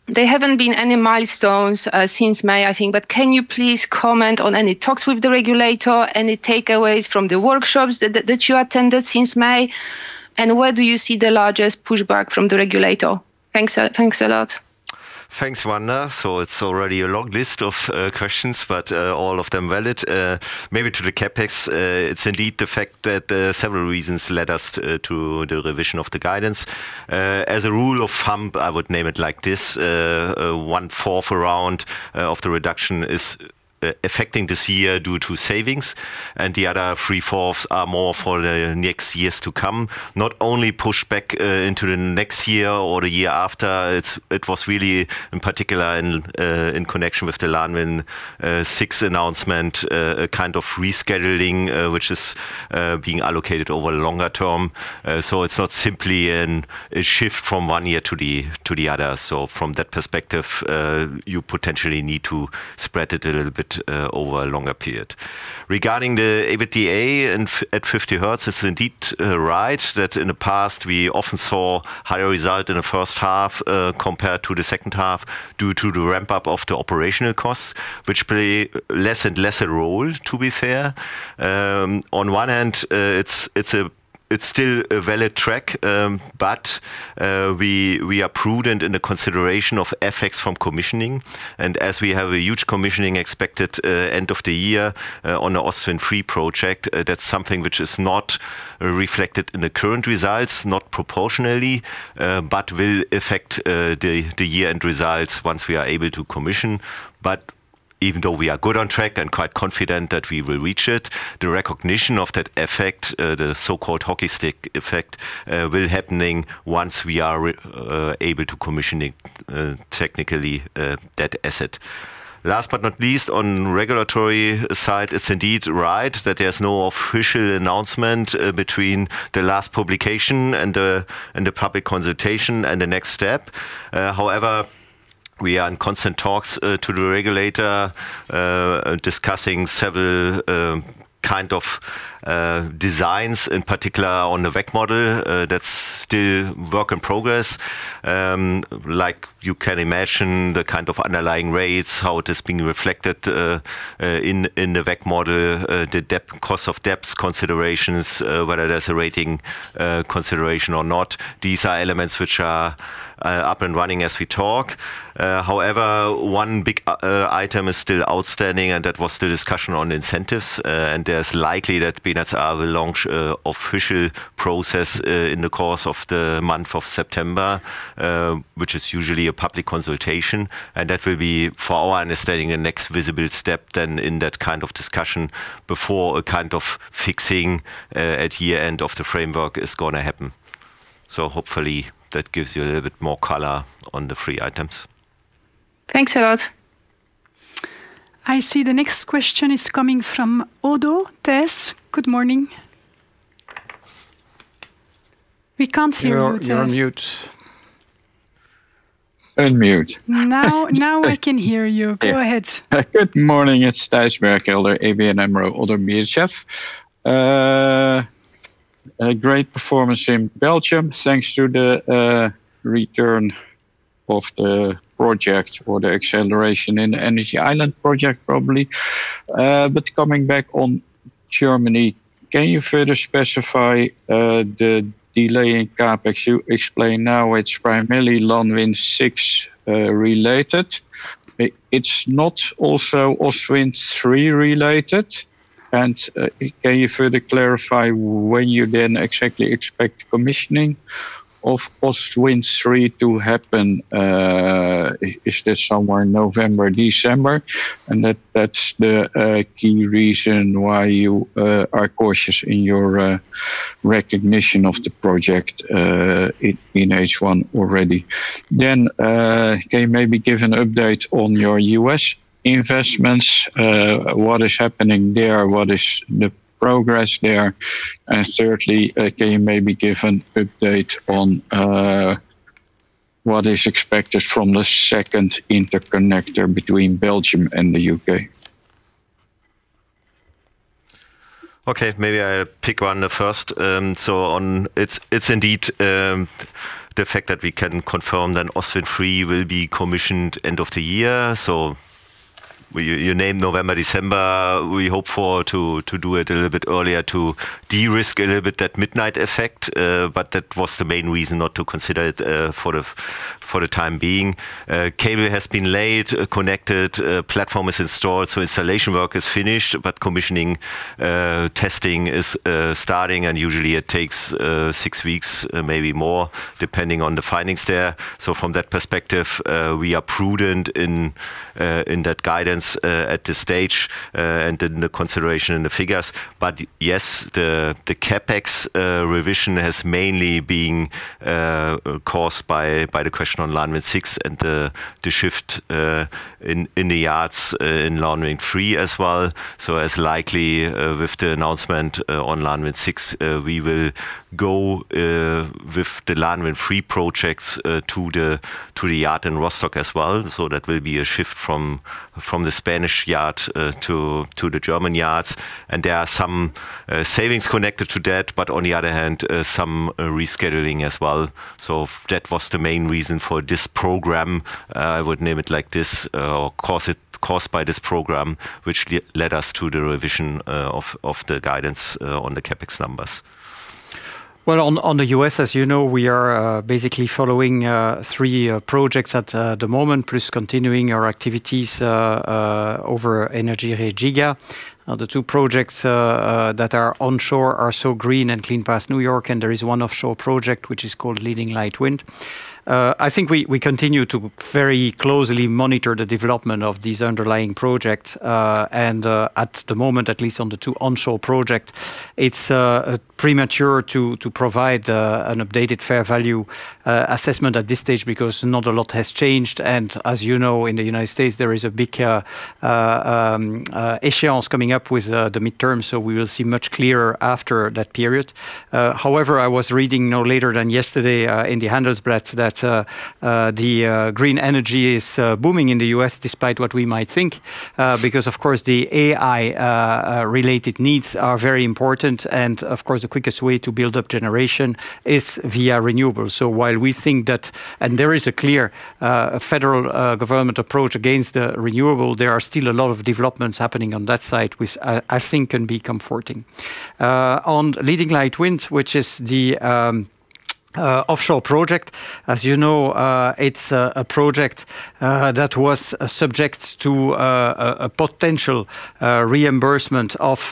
There haven't been any milestones since May, I think. Can you please comment on any talks with the regulator, any takeaways from the workshops that you attended since May? Where do you see the largest pushback from the regulator? Thanks a lot. Thanks, Wanda. It's already a long list of questions, but all of them valid. Maybe to the CapEx, it's indeed the fact that several reasons led us to the revision of the guidance. As a rule of thumb, I would name it like this, one fourth around of the reduction is affectaing this year due to savings, and the other three fourths are more for the next years to come, not only pushed back into the next year or the year after. It was really in prticular in connection with the LanWin 6 announcement, a kind of rescheduling, which is being allocated over a longer term. It's not simply a shift from one year to the other. From that perspective, you potentially need to spread it a little bit over a longer period. Regarding the EBITDA at 50Hertz, it's indeed right that in the past we often saw higher result in the first half, compared to the second half due to the ramp-up of the operational costs, which play less and lesser role to be fair. On one hand, it's still a valid track, but we are prudent in the consideration of effects from commissioning. As we have a huge commissioning expected end of the year on the Ostwind 3 project, that's something which is not reflected in the current results, not proportionally, but will affect the year-end results once we are able to commission. Even though we are good on track and quite confident that we will reach it, the recognition of that effect, the so-called hockey stick effect, will happening once we are able to commissioning technically that asset. Last but not least, on regulatory side, it's indeed right that there's no official announcement between the last publication and the public consultation and the next step. We are in constant talks to the regulator, discussing several kind of designs, in particular on the WACC model. That's still work in progress. Like you can imagine, the kind of underlying rates, how it is being reflected in the WACC model, the cost of debt considerations, whether that's a rating consideration or not. These are elements which are up and running as we talk. One big item is still outstanding, and that was the discussion on incentives. There's likely that BNetzA will launch an official process in the course of the month of September, which is usually a public consultation. That will be, for our understanding, a next visible step then in that kind of discussion before a kind of fixing at year end of the framework is going to happen. Hopefully, that gives you a little bit more color on the three items. Thanks a lot. I see the next question is coming from Oddo Thijs. Good morning. We can't hear you, Thijs. You're on mute. Unmute. Now I can hear you. Go ahead. Good morning. It's Thijs Berkelder, ABNAMRO, Oddo BHF. A great performance in Belgium, thanks to the return of the project or the acceleration in the Energy Island project, probably. Coming back on Germany, can you further specify the delay in CapEx? You explain now it's primarily LanWin 6 related. Is not also Ostwind 3 related? Can you further clarify when you then exactly expect commissioning of Ostwind 3 to happen? Is this somewhere November, December, and that's the key reason why you are cautious in your recognition of the project in H1 already? Can you maybe give an update on your U.S. investments? What is happening there? What is the progress there? Thirdly, can you maybe give an update on what is expected from the second interconnector between Belgium and the U.K.? Okay, maybe I pick one first. It's indeed the fact that we can confirm that Ostwind 3 will be commissioned end of the year. You named November, December. We hope for to do it a little bit earlier to de-risk a little bit that midnight effect. That was the main reason not to consider it for the time being. Cable has been laid, connected, platform is installed, installation work is finished, commissioning testing is starting, and usually it takes six weeks, maybe more, depending on the findings there. From that perspective, we are prudent in that guidance at this stage, and in the consideration in the figures. Yes, the CapEx revision has mainly been caused by the question on LanWin 6 and the shift in the yards in LanWin 3 as well. As likely with the announcement on LanWin 6, we will go with the LanWin 3 projects to the yard in Rostock as well. That will be a shift from the Spanish yard to the German yards. There are some savings connected to that, on the other hand, some rescheduling as well. That was the main reason for this program, I would name it like this, caused by this program, which led us to the revision of the guidance on the CapEx numbers. Well, on the U.S., as you know, we are basically following three projects at the moment, plus continuing our activities over energyRe Giga. The two projects that are onshore are SOO Green and Clean Path New York, and there is one Offshore project, which is called Leading Light Wind. I think we continue to very closely monitor the development of these underlying projects. At the moment, at least on the two onshore projects, it's premature to provide an updated fair value assessment at this stage because not a lot has changed. As you know, in the U.S., there is a big issuance coming up with the midterm, we will see much clearer after that period. However, I was reading no later than yesterday in the Handelsblatt that the green energy is booming in the U.S. despite what we might think, because of course, the AI-related needs are very important, and of course, the quickest way to build up generation is via renewables. While we think that there is a clear federal government approach against the renewable, there are still a lot of developments happening on that side, which I think can be comforting. On Leading Light Wind, which is the Offshore project. As you know, it's a project that was subject to a potential reimbursement of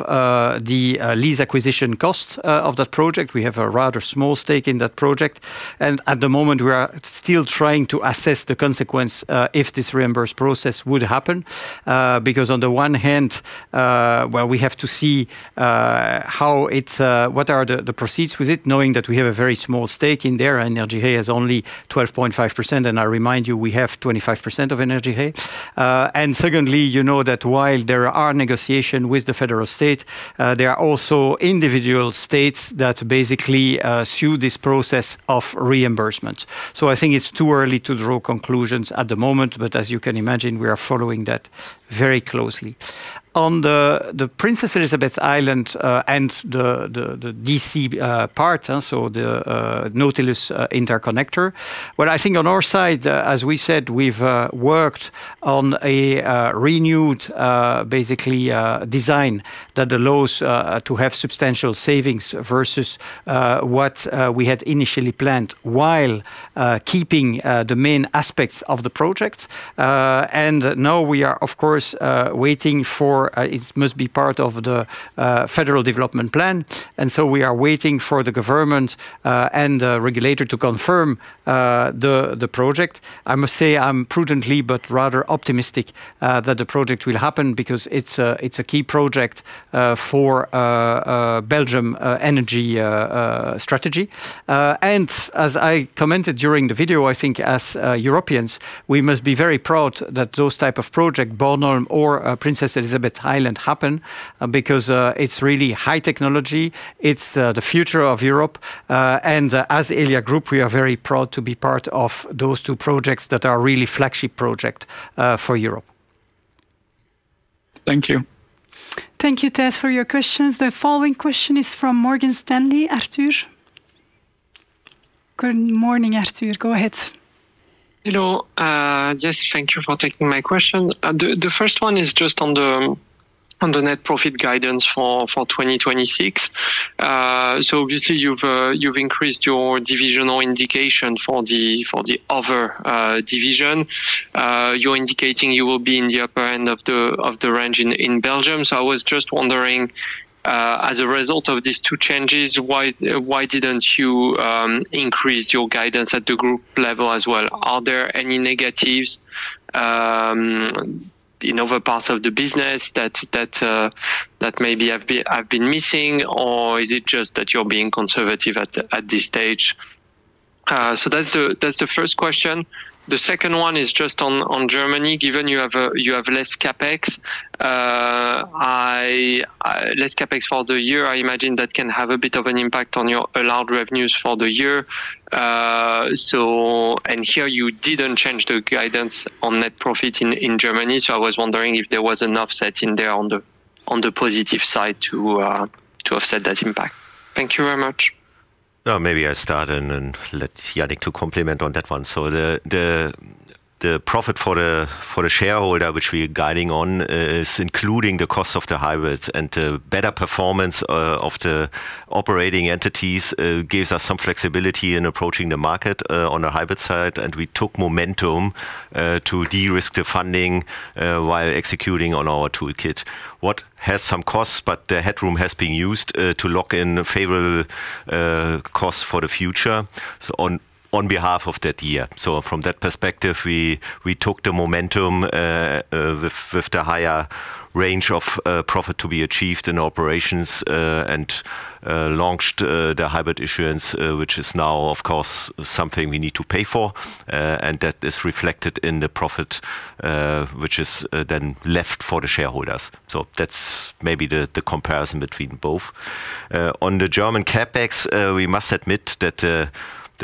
the lease acquisition costs of that project. We have a rather small stake in that project, at the moment we are still trying to assess the consequence if this reimbursement process would happen. On the one hand, while we have to see what are the proceeds with it, knowing that we have a very small stake in there, energyRe has only 12.5%, and I remind you, we have 25% of energyRe. Secondly, you know that while there are negotiations with the federal state, there are also individual states that basically sue this process of reimbursement. I think it's too early to draw conclusions at the moment, as you can imagine, we are following that very closely. On the Princess Elisabeth Island, and the DC part, the Nautilus interconnector. What I think on our side, as we said, we've worked on a renewed design that allows to have substantial savings versus what we had initially planned, while keeping the main aspects of the project. Now we are, of course, waiting for, it must be part of the Federal Development Plan. We are waiting for the government and the regulator to confirm the project. I must say, I'm prudently but rather optimistic that the project will happen because it's a key project for Belgium energy strategy. As I commented during the video, I think as Europeans, we must be very proud that those type of project, Bornholm or Princess Elisabeth Island happen, because it's really high technology, it's the future of Europe. As Elia Group, we are very proud to be part of those two projects that are really flagship project for Europe. Thank you. Thank you, Thijs, for your questions. The following question is from Morgan Stanley. Arthur. Good morning, Arthur. Go ahead. Hello. Yes, thank you for taking my question. The first one is just on the net profit guidance for 2026. Obviously you've increased your divisional indication for the other division. You're indicating you will be in the upper end of the range in Belgium. I was just wondering, as a result of these two changes, why didn't you increase your guidance at the group level as well? Are there any negatives in other parts of the business that maybe I've been missing, or is it just that you're being conservative at this stage? That's the first question. The second one is just on Germany. Given you have less CapEx for the year, I imagine that can have a bit of an impact on your allowed revenues for the year. Here you didn't change the guidance on net profit in Germany, I was wondering if there was an offset in there on the positive side to offset that impact. Thank you very much. Maybe I start and then let Yannick to complement on that one. The profit for the shareholder, which we are guiding on, is including the cost of the hybrids, the better performance of the operating entities gives us some flexibility in approaching the market on the hybrid side. We took momentum to de-risk the funding while executing on our toolkit. What has some costs, but the headroom has been used to lock in favorable costs for the future on behalf of that year. From that perspective, we took the momentum with the higher range of profit to be achieved in operations, launched the hybrid issuance, which is now, of course, something we need to pay for. That is reflected in the profit, which is then left for the shareholders. That's maybe the comparison between both. On the German CapEx, we must admit that the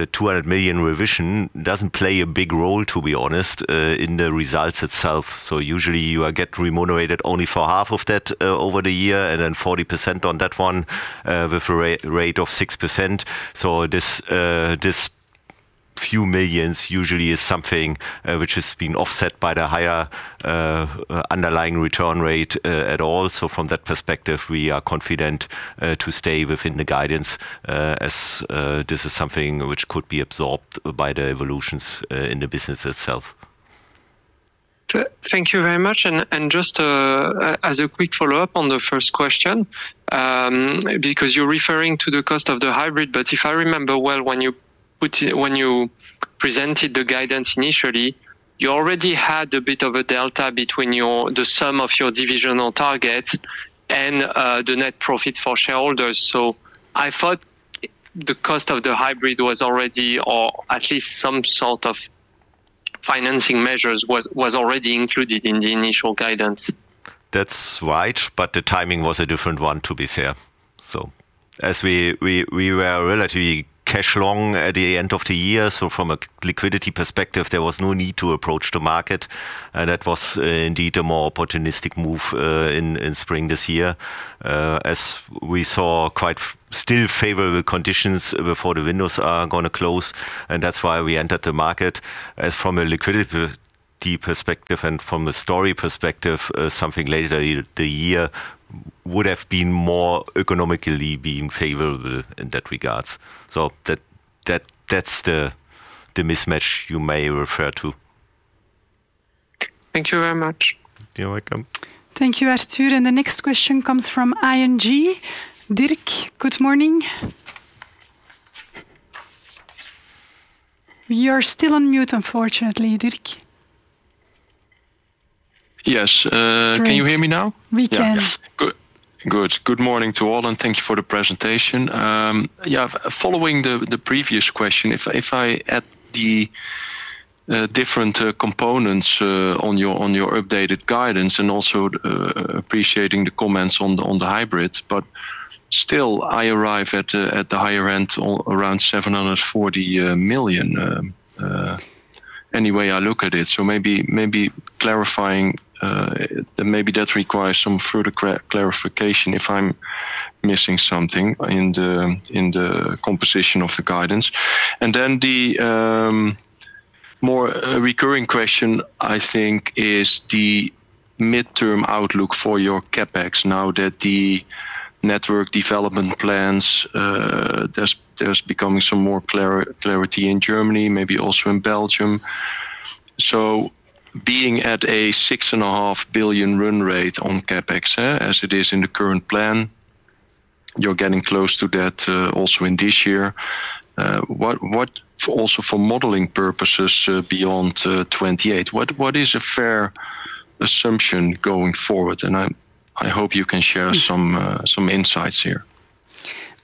200 million revision doesn't play a big role, to be honest, in the results itself. Usually you get remunerated only for half of that over the year, then 40% on that one with a rate of 6%. This few millions usually is something which has been offset by the higher underlying return rate at all. From that perspective, we are confident to stay within the guidance, as this is something which could be absorbed by the evolutions in the business itself. Thank you very much. Just as a quick follow-up on the first question, because you're referring to the cost of the hybrid, if I remember well, when you presented the guidance initially, you already had a bit of a delta between the sum of your divisional targets and the net profit for shareholders. I thought the cost of the hybrid was already, or at least some sort of financing measures was already included in the initial guidance. That's right, the timing was a different one, to be fair. As we were relatively cash long at the end of the year, so from a liquidity perspective, there was no need to approach the market. That was indeed a more opportunistic move in spring this year, as we saw quite still favorable conditions before the windows are going to close, and that's why we entered the market. As from a liquidity perspective and from a story perspective, something later the year. Would have been more economically being favorable in that regard. That's the mismatch you may refer to. Thank you very much. You're welcome. Thank you, Arthur, the next question comes from ING. Dirk, good morning. You're still on mute, unfortunately, Dirk. Yes. Great. Can you hear me now? We can. Good. Good morning to all, thank you for the presentation. Following the previous question, if I add the different components on your updated guidance and also appreciating the comments on the hybrids, still I arrive at the higher end around 740 million, any way I look at it. Maybe that requires some further clarification if I'm missing something in the composition of the guidance. Then the more recurring question, I think, is the midterm outlook for your CapEx now that the network development plans, there's becoming some more clarity in Germany, maybe also in Belgium. Being at a 6.5 billion run rate on CapEx, as it is in the current plan, you're getting close to that, also in this year. Also for modeling purposes beyond 2028, what is a fair assumption going forward? I hope you can share some insights here.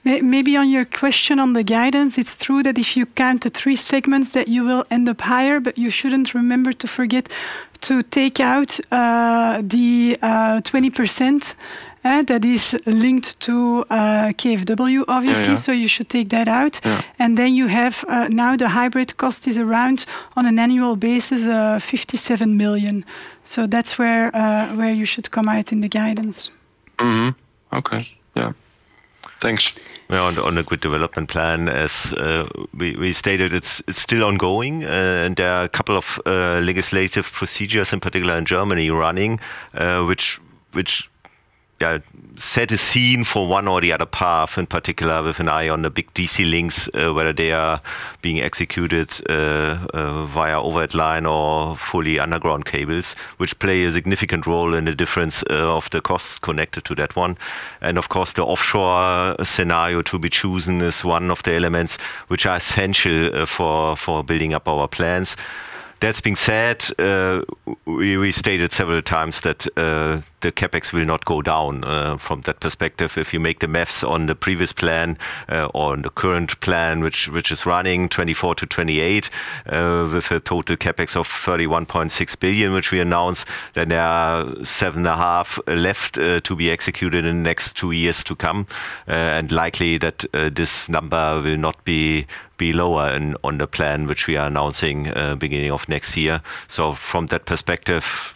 Maybe on your question on the guidance, it's true that if you count the three segments that you will end up higher, but you shouldn't remember to forget to take out the 20% that is linked to KfW, obviously. Yeah. You should take that out. Yeah. You have now the hybrid cost is around, on an annual basis, 57 million. That's where you should come out in the guidance. Okay. Yeah. Thanks. Well, on the grid development plan, as we stated, it is still ongoing. There are a couple of legislative procedures, in particular in Germany, running, which set a scene for one or the other path, in particular with an eye on the big DC links, whether they are being executed via overhead line or fully underground cables, which play a significant role in the difference of the costs connected to that one. Of course, the offshore scenario to be chosen is one of the elements which are essential for building up our plans. That being said, we stated several times that the CapEx will not go down from that perspective. If you make the math on the previous plan or on the current plan, which is running 2024-2028, with a total CapEx of 31.6 billion, which we announced, then there are seven and a half left to be executed in next two years to come. Likely that this number will not be lower on the plan which we are announcing beginning of next year. From that perspective,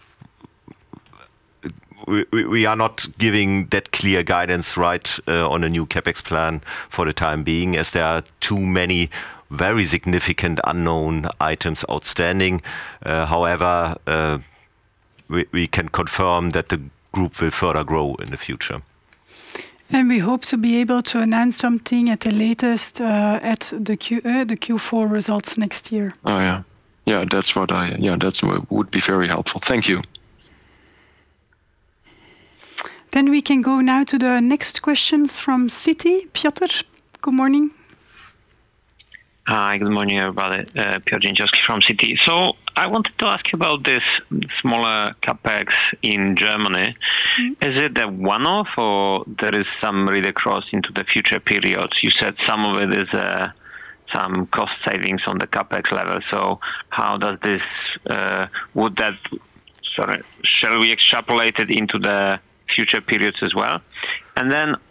we are not giving that clear guidance right on a new CapEx plan for the time being, as there are too many very significant unknown items outstanding. However, we can confirm that the group will further grow in the future. We hope to be able to announce something at the latest at the Q4 results next year. Oh, yeah. That would be very helpful. Thank you. We can go now to the next questions from Citi. Piotr, good morning. Hi, good morning, everybody. Piotr Dzieciolowski from Citi. I wanted to ask you about this smaller CapEx in Germany. Is it a one-off, or there is some really cross into the future periods? You said some of it is some cost savings on the CapEx level. Shall we extrapolate it into the future periods as well?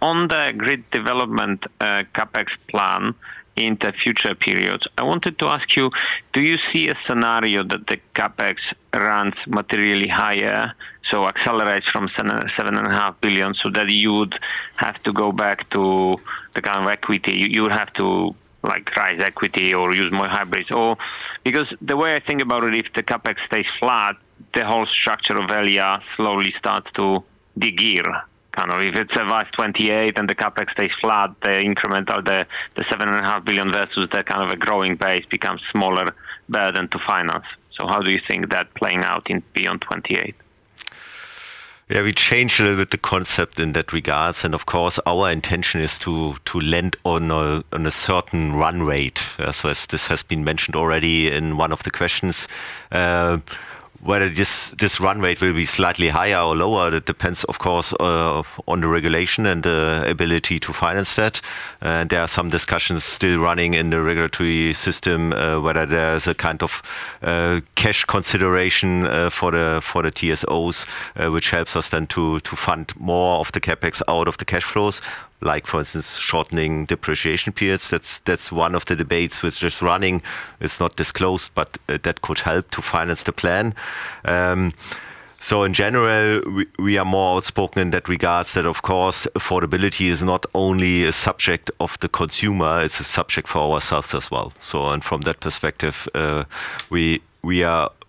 On the grid development CapEx plan in the future periods, I wanted to ask you, do you see a scenario that the CapEx runs materially higher, accelerates from 7.5 billion so that you would have to go back to the kind of equity you would have to rise equity or use more hybrids? The way I think about it, if the CapEx stays flat, the whole structure of Elia slowly starts to degear, kind of. If it survives 2028 and the CapEx stays flat, the incremental, the 7.5 billion versus that kind of a growing base becomes smaller burden to finance. How do you think that playing out in beyond 2028? Yeah, we changed a little bit the concept in that regards. Of course, our intention is to lend on a certain run rate. As this has been mentioned already in one of the questions, whether this run rate will be slightly higher or lower, that depends of course on the regulation and the ability to finance that. There are some discussions still running in the regulatory system, whether there's a kind of cash consideration for the TSOs, which helps us then to fund more of the CapEx out of the cash flows. Like for instance, shortening depreciation periods. That's one of the debates which is running. It's not disclosed, but that could help to finance the plan. In general, we are more outspoken in that regards that of course, affordability is not only a subject of the consumer, it's a subject for ourselves as well. From that perspective,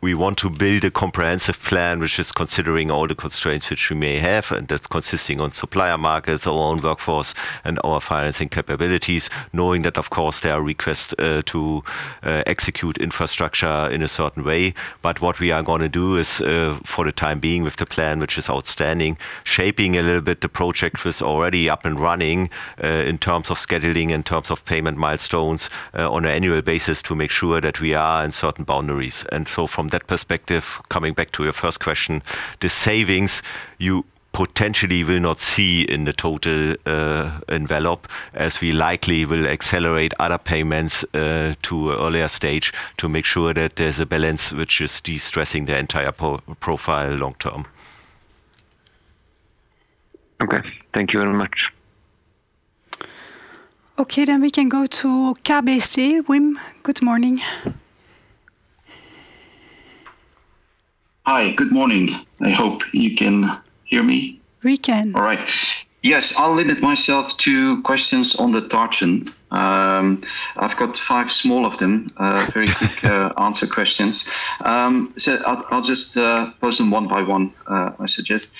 we want to build a comprehensive plan, which is considering all the constraints which we may have, and that's consisting on supplier markets, our own workforce, and our financing capabilities, knowing that, of course, there are requests to execute infrastructure in a certain way. What we are going to do is, for the time being with the plan which is outstanding, shaping a little bit the project which is already up and running, in terms of scheduling, in terms of payment milestones, on an annual basis to make sure that we are in certain boundaries. From that perspective, coming back to your first question, the savings you potentially will not see in the total envelope, as we likely will accelerate other payments to earlier stage to make sure that there's a balance which is de-stressing the entire profile long term. Okay. Thank you very much. Okay, we can go to KBC. Wim, good morning. Hi, good morning. I hope you can hear me. We can. All right. Yes, I'll limit myself to questions on the Tarchon. I've got five small of them, very quick answer questions. I'll just pose them one by one, I suggest.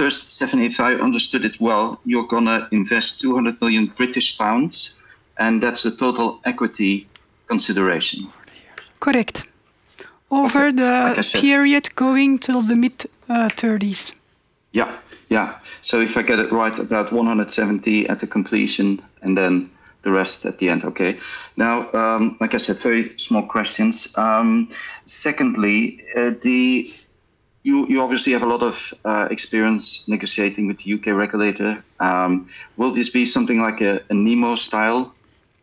First, Stéphanie, if I understood it well, you're going to invest 200 million British pounds, and that's the total equity consideration. Correct. Over the period going till the mid 2030s. If I get it right, about 170 at the completion, and the rest at the end. Okay. Like I said, very small questions. Secondly, you obviously have a lot of experience negotiating with the U.K. regulator. Will this be something like a Nemo-style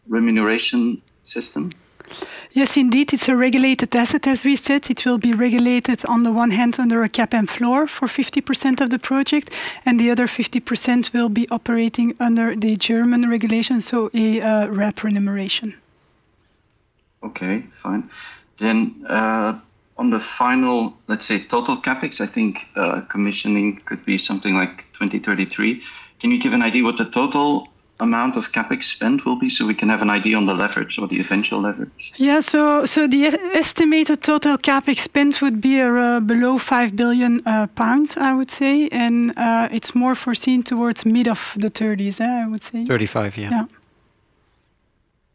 remuneration system? Yes, indeed. It's a regulated asset, as we said. It will be regulated on the one hand under a cap and floor for 50% of the project, and the other 50% will be operating under the German regulation, so a RAB remuneration. Okay, fine. On the final, let's say total CapEx, I think commissioning could be something like 2033. Can you give an idea what the total amount of CapEx spend will be so we can have an idea on the leverage or the eventual leverage? The estimated total CapEx spend would be below 5 billion pounds, I would say. It's more foreseen towards mid of the 30s, I would say. 35, yeah. Yeah.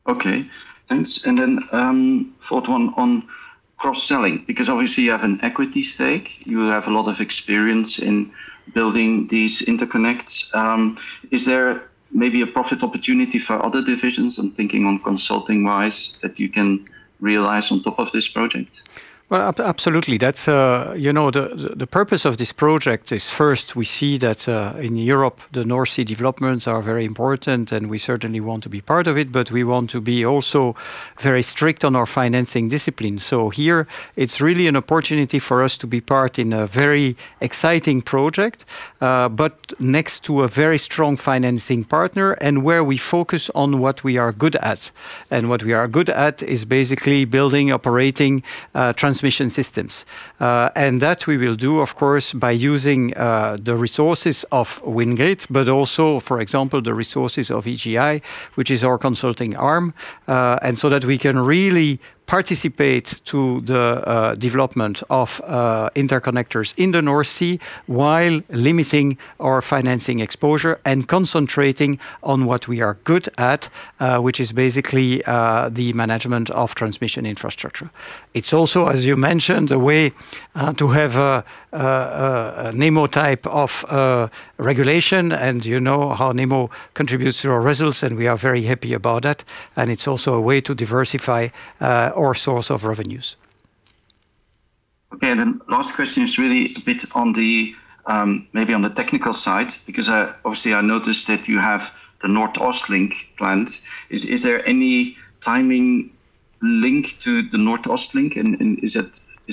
Okay, thanks. Fourth one on cross-selling, because obviously you have an equity stake, you have a lot of experience in building these interconnects. Is there maybe a profit opportunity for other divisions? I'm thinking on consulting-wise that you can realize on top of this project. Absolutely. The purpose of this project is first we see that in Europe, the North Sea developments are very important, and we certainly want to be part of it, but we want to be also very strict on our financing discipline. Here, it's really an opportunity for us to be part in a very exciting project, but next to a very strong financing partner, and where we focus on what we are good at. What we are good at is basically building operating transmission systems. That we will do, of course, by using the resources of WindGrid, but also, for example, the resources of EGI, which is our consulting arm. That we can really participate to the development of interconnectors in the North Sea while limiting our financing exposure and concentrating on what we are good at, which is basically the management of transmission infrastructure. It's also, as you mentioned, a way to have a Nemo type of regulation, and you know how Nemo contributes to our results, and we are very happy about that. It's also a way to diversify our source of revenues. Okay. Last question is really a bit maybe on the technical side, because obviously I noticed that you have the NordOstLink plan. Is there any timing link to the NordOstLink, and is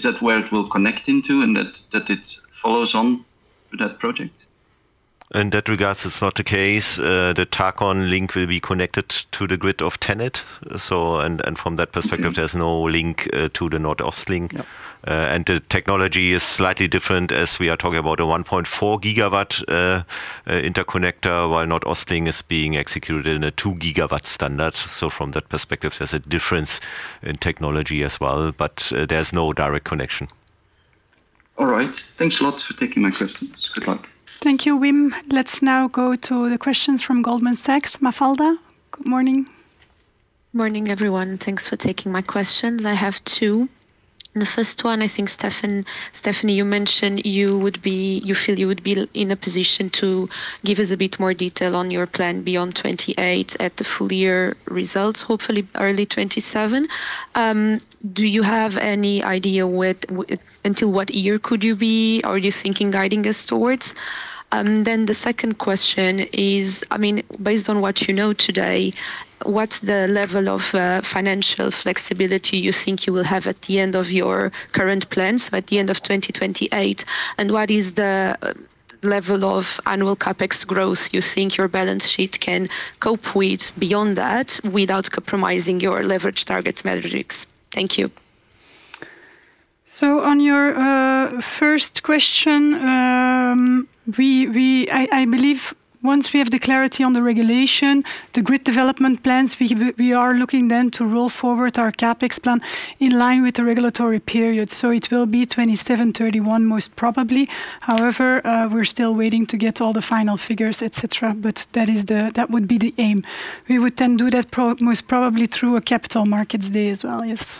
that where it will connect into and that it follows on that project? In that regards, it's not the case. The Tarchon link will be connected to the grid of TenneT. From that perspective, there's no link to the NordOstLink. No. The technology is slightly different as we are talking about a 1.4 GW interconnector, while NordOstLink is being executed in a 2 GW standard. From that perspective, there's a difference in technology as well, but there's no direct connection. All right. Thanks a lot for taking my questions. Good luck. Thank you, Wim. Let's now go to the questions from Goldman Sachs. Mafalda, good morning. Morning, everyone. Thanks for taking my questions. I have two. The first one, I think Stéphanie, you mentioned you feel you would be in a position to give us a bit more detail on your plan beyond 2028 at the full year results, hopefully early 2027. Do you have any idea until what year could you be, are you thinking guiding us towards? The second question is, based on what you know today, what's the level of financial flexibility you think you will have at the end of your current plans, so at the end of 2028? What is the level of annual CapEx growth you think your balance sheet can cope with beyond that without compromising your leverage targets metrics? Thank you. On your first question, I believe once we have the clarity on the regulation, the grid development plans, we are looking then to roll forward our CapEx plan in line with the regulatory period. It will be 2027, 2031, most probably. However, we're still waiting to get all the final figures, et cetera, but that would be the aim. We would then do that most probably through a capital markets day as well. Yes.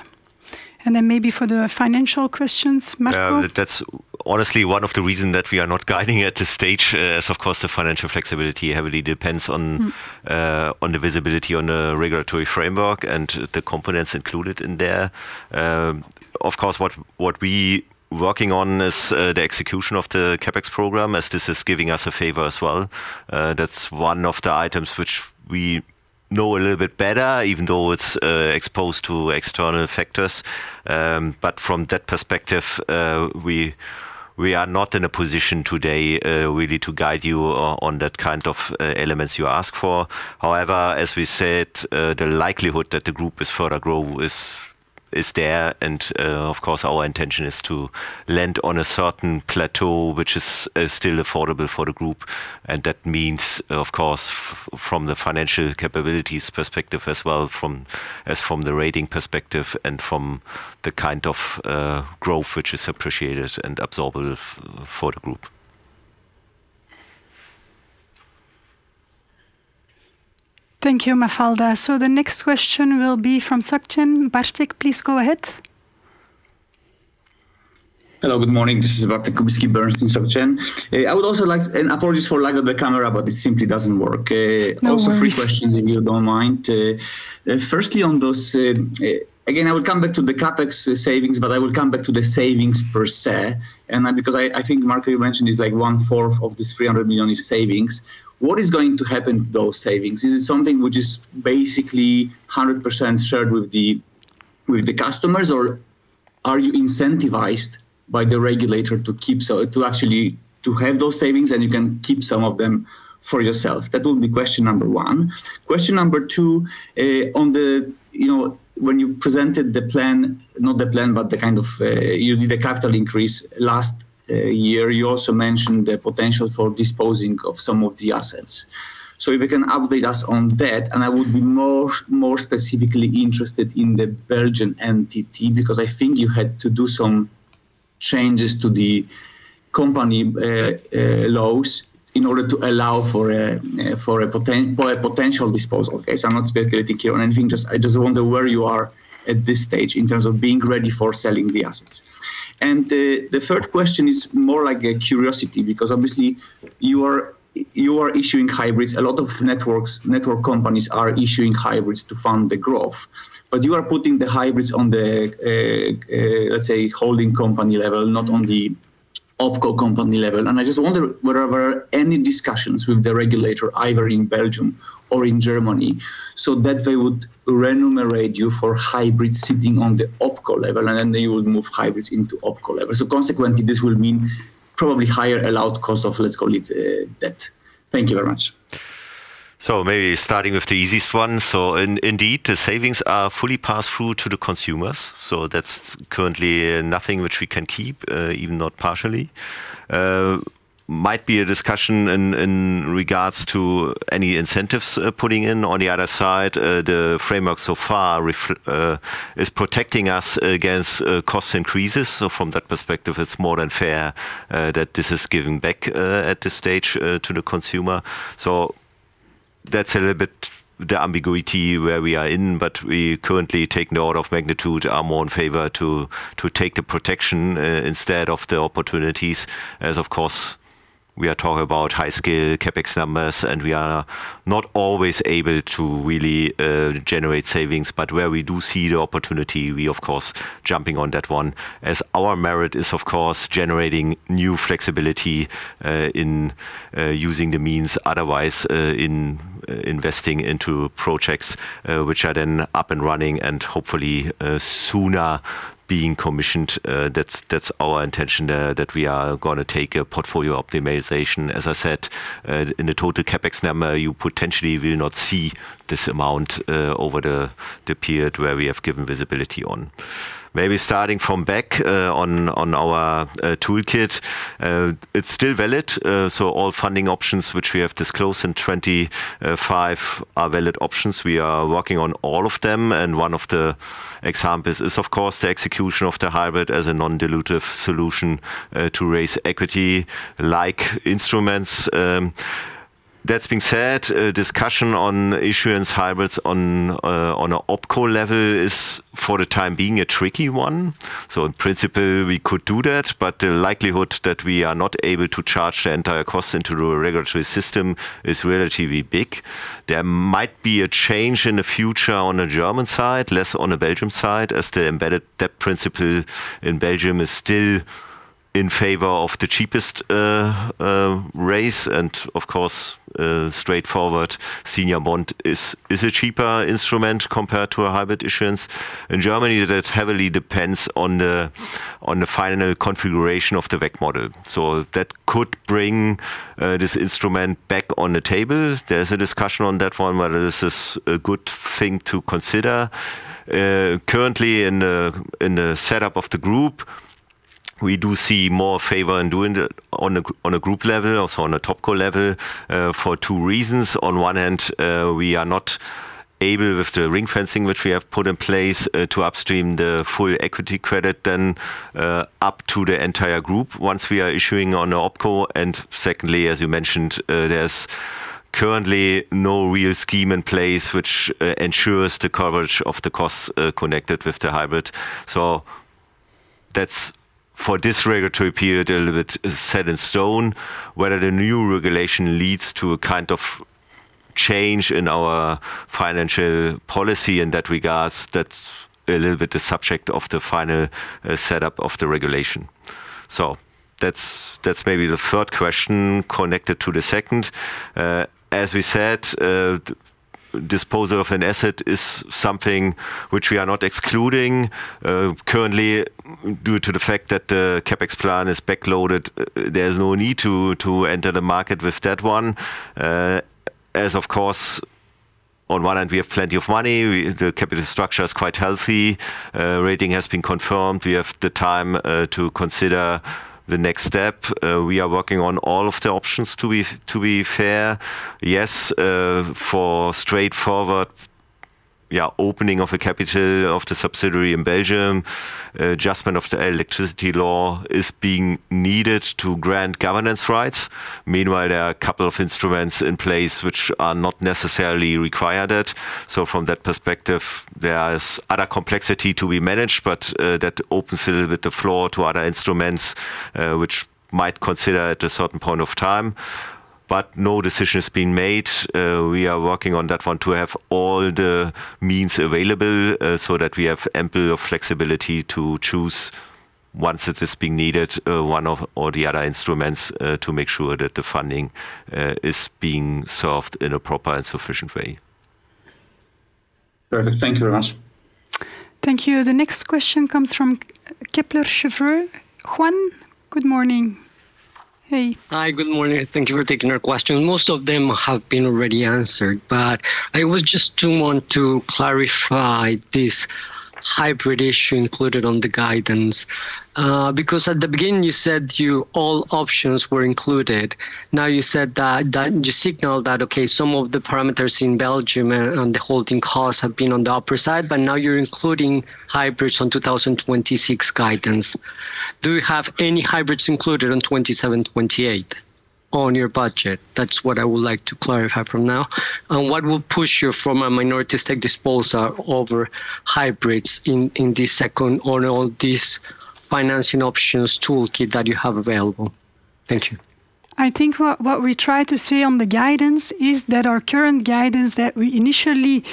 Then maybe for the financial questions, Marco? Yeah. That's honestly one of the reason that we are not guiding at this stage, as of course, the financial flexibility heavily depends on the visibility on the regulatory framework and the components included in there. Of course, what we are working on is the execution of the CapEx program as this is giving us a favor as well. Know a little bit better, even though it's exposed to external factors. From that perspective, we are not in a position today, really, to guide you on that kind of elements you ask for. As we said, the likelihood that the group is further grow is there. Of course, our intention is to land on a certain plateau, which is still affordable for the group. That means, of course, from the financial capabilities perspective as well as from the rating perspective and from the kind of growth which is appreciated and absorbable for the group. Thank you, Mafalda. The next question will be from Soc Gen Bartik. Please go ahead. Hello, good morning. This is Bartik Kubicki, Bernstein, Soc Gen. Apologies for lack of the camera, but it simply doesn't work. No worries. Three questions if you don't mind. Firstly, again, I will come back to the CapEx savings, but I will come back to the savings per se. Because I think Marco, you mentioned is one-fourth of this 300 million is savings. What is going to happen to those savings? Is it something which is basically 100% shared with the customers, or are you incentivized by the regulator to actually have those savings, and you can keep some of them for yourself? That would be question number one. Question number two, when you presented the plan, not the plan, but you did a capital increase last year. You also mentioned the potential for disposing of some of the assets. If you can update us on that, and I would be more specifically interested in the Belgian entity, because I think you had to do some changes to the company laws in order to allow for a potential disposal. Okay. I'm not speculating here on anything, I just wonder where you are at this stage in terms of being ready for selling the assets. The third question is more like a curiosity, because obviously you are issuing hybrids. A lot of network companies are issuing hybrids to fund the growth. But you are putting the hybrids on the, let's say, holding company level, not on the OpCo company level. And I just wonder whether any discussions with the regulator, either in Belgium or in Germany, that they would remunerate you for hybrids sitting on the OpCo level, and then you would move hybrids into OpCo level. Consequently, this will mean probably higher allowed cost of let's call it debt. Thank you very much. Maybe starting with the easiest one. Indeed, the savings are fully passed through to the consumers. That's currently nothing which we can keep, even not partially. Might be a discussion in regards to any incentives putting in. On the other side, the framework so far is protecting us against cost increases. From that perspective, it's more than fair that this is given back at this stage to the consumer. That's a little bit the ambiguity where we are in, but we currently take note of magnitude, are more in favor to take the protection instead of the opportunities. As of course, we are talking about high scale CapEx numbers, and we are not always able to really generate savings. Where we do see the opportunity, we of course jumping on that one as our merit is, of course, generating new flexibility in using the means otherwise in investing into projects which are then up and running and hopefully sooner being commissioned. That's our intention that we are going to take a portfolio optimization. As I said, in the total CapEx number, you potentially will not see this amount over the period where we have given visibility on. Maybe starting from back on our toolkit. It's still valid, so all funding options which we have disclosed in 2025 are valid options. We are working on all of them, and one of the examples is, of course, the execution of the hybrid as a non-dilutive solution to raise equity-like instruments. That being said, discussion on issuance hybrids on an OpCo level is for the time being a tricky one. In principle, we could do that, but the likelihood that we are not able to charge the entire cost into the regulatory system is relatively big. There might be a change in the future on the German side, less on the Belgium side, as the embedded debt principle in Belgium is still in favor of the cheapest rates. Of course, straightforward senior bond is a cheaper instrument compared to a hybrid issuance. In Germany, that heavily depends on the final configuration of the WACC model. That could bring this instrument back on the table. There's a discussion on that one, whether this is a good thing to consider. Currently in the setup of the group, we do see more favor in doing that on a group level, also on a TopCo level, for two reasons. On one hand, we are not able with the ring-fencing which we have put in place to upstream the full equity credit then up to the entire group once we are issuing on an OpCo. Secondly, as you mentioned, there's currently no real scheme in place which ensures the coverage of the costs connected with the hybrid. That's for this regulatory period a little bit set in stone, whether the new regulation leads to a kind of change in our financial policy in that regards. That's a little bit the subject of the final setup of the regulation. That's maybe the third question connected to the second. As we said, disposal of an asset is something which we are not excluding currently due to the fact that the CapEx plan is back-loaded. There's no need to enter the market with that one. Of course, on one end, we have plenty of money. The capital structure is quite healthy. Rating has been confirmed. We have the time to consider the next step. We are working on all of the options, to be fair. Yes, for straightforward opening of a capital of the subsidiary in Belgium, adjustment of the electricity law is being needed to grant governance rights. Meanwhile, there are a couple of instruments in place which are not necessarily required. From that perspective, there is other complexity to be managed, but that opens a little bit the floor to other instruments which might consider at a certain point of time. No decision has been made. We are working on that one to have all the means available so that we have ample flexibility to choose once it is being needed, one or the other instruments to make sure that the funding is being solved in a proper and sufficient way. Perfect. Thank you very much. Thank you. The next question comes from Kepler Cheuvreux. Juan, good morning. Hey. Hi. Good morning. Thank you for taking our question. Most of them have been already answered, but I was just to want to clarify this hybrid issue included on the guidance. At the beginning you said all options were included. Now you signaled that, okay, some of the parameters in Belgium and the holding costs have been on the upper side, but now you're including hybrids on 2026 guidance. Do you have any hybrids included on 2027, 2028 on your budget? That's what I would like to clarify for now. What will push you from a minority stake disposal over hybrids in this second, or all these financing options toolkit that you have available? Thank you. I think what we try to say on the guidance is that our current guidance that we initially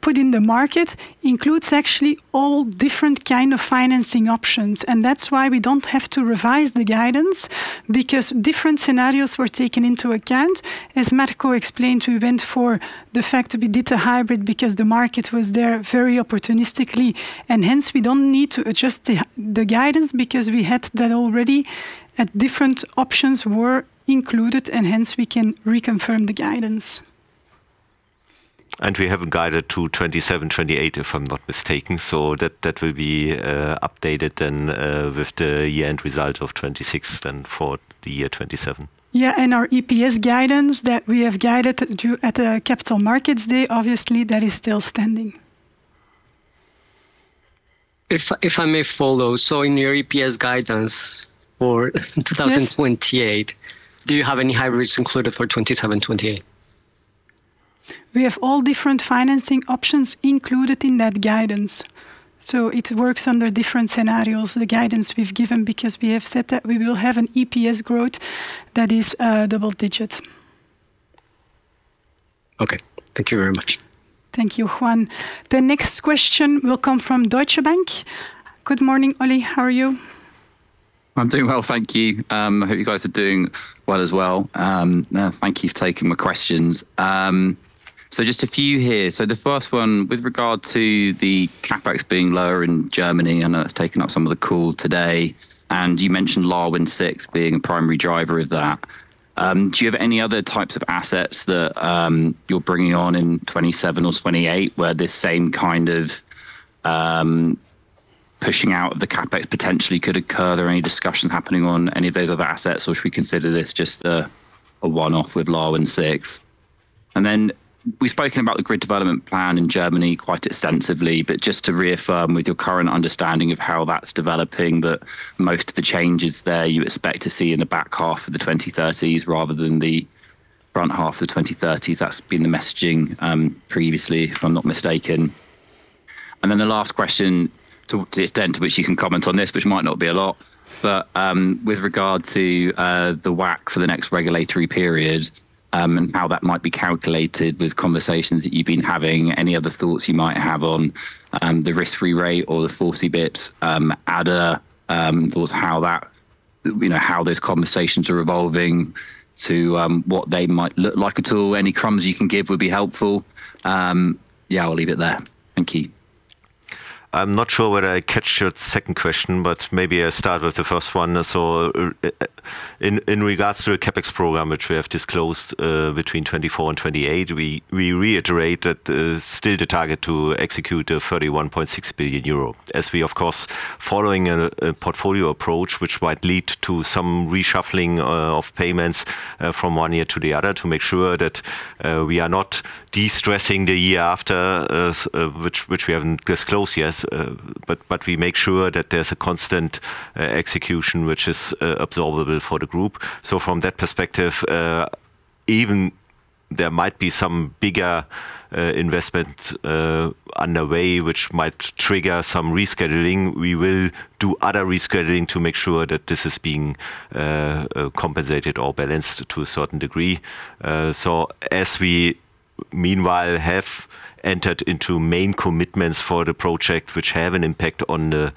put in the market includes actually all different kind of financing options. That's why we don't have to revise the guidance, because different scenarios were taken into account. As Marco explained, we went for the fact that we did a hybrid because the market was there very opportunistically, and hence, we don't need to adjust the guidance because we had that already, and different options were included, and hence, we can reconfirm the guidance. We haven't guided to 2027, 2028, if I'm not mistaken. That will be updated then with the year-end result of 2026 then for the year 2027. Our EPS guidance that we have guided at the Capital Markets Day, obviously that is still standing. If I may follow, in your EPS guidance for 2028, do you have any hybrids included for 2027, 2028? We have all different financing options included in that guidance. It works under different scenarios, the guidance we've given, because we have said that we will have an EPS growth that is double digits. Okay. Thank you very much. Thank you, Juan. The next question will come from Deutsche Bank. Good morning, Oli. How are you? I'm doing well, thank you. I hope you guys are doing well as well. Thank you for taking my questions. Just a few here. The first one with regard to the CapEx being lower in Germany, I know that's taken up some of the call today, and you mentioned LanWin 6 being a primary driver of that. Do you have any other types of assets that you're bringing on in 2027 or 2028 where this same kind of pushing out of the CapEx potentially could occur? Are there any discussions happening on any of those other assets, or should we consider this just a one-off with LanWin 6? We've spoken about the grid development plan in Germany quite extensively, but just to reaffirm with your current understanding of how that's developing, that most of the changes there you expect to see in the back half of the 2030s rather than the front half of the 2030s. That's been the messaging previously, if I'm not mistaken. The last question, to the extent to which you can comment on this, which might not be a lot, but with regard to the WACC for the next regulatory period, and how that might be calculated with conversations that you've been having, any other thoughts you might have on the risk-free rate or the 40 basis points adder, thoughts how those conversations are evolving to what they might look like at all. Any crumbs you can give would be helpful. Yeah, I'll leave it there. Thank you. I'm not sure whether I catch your second question, but maybe I start with the first one. In regards to a CapEx program, which we have disclosed between 2024 and 2028, we reiterate that still the target to execute 31.6 billion euro. We, of course, following a portfolio approach, which might lead to some reshuffling of payments from one year to the other to make sure that we are not de-stressing the year after, which we haven't disclosed yet. We make sure that there's a constant execution which is absorbable for the group. From that perspective, even there might be some bigger investment underway, which might trigger some rescheduling. We will do other rescheduling to make sure that this is being compensated or balanced to a certain degree. As we Meanwhile, have entered into main commitments for the project, which have an impact on the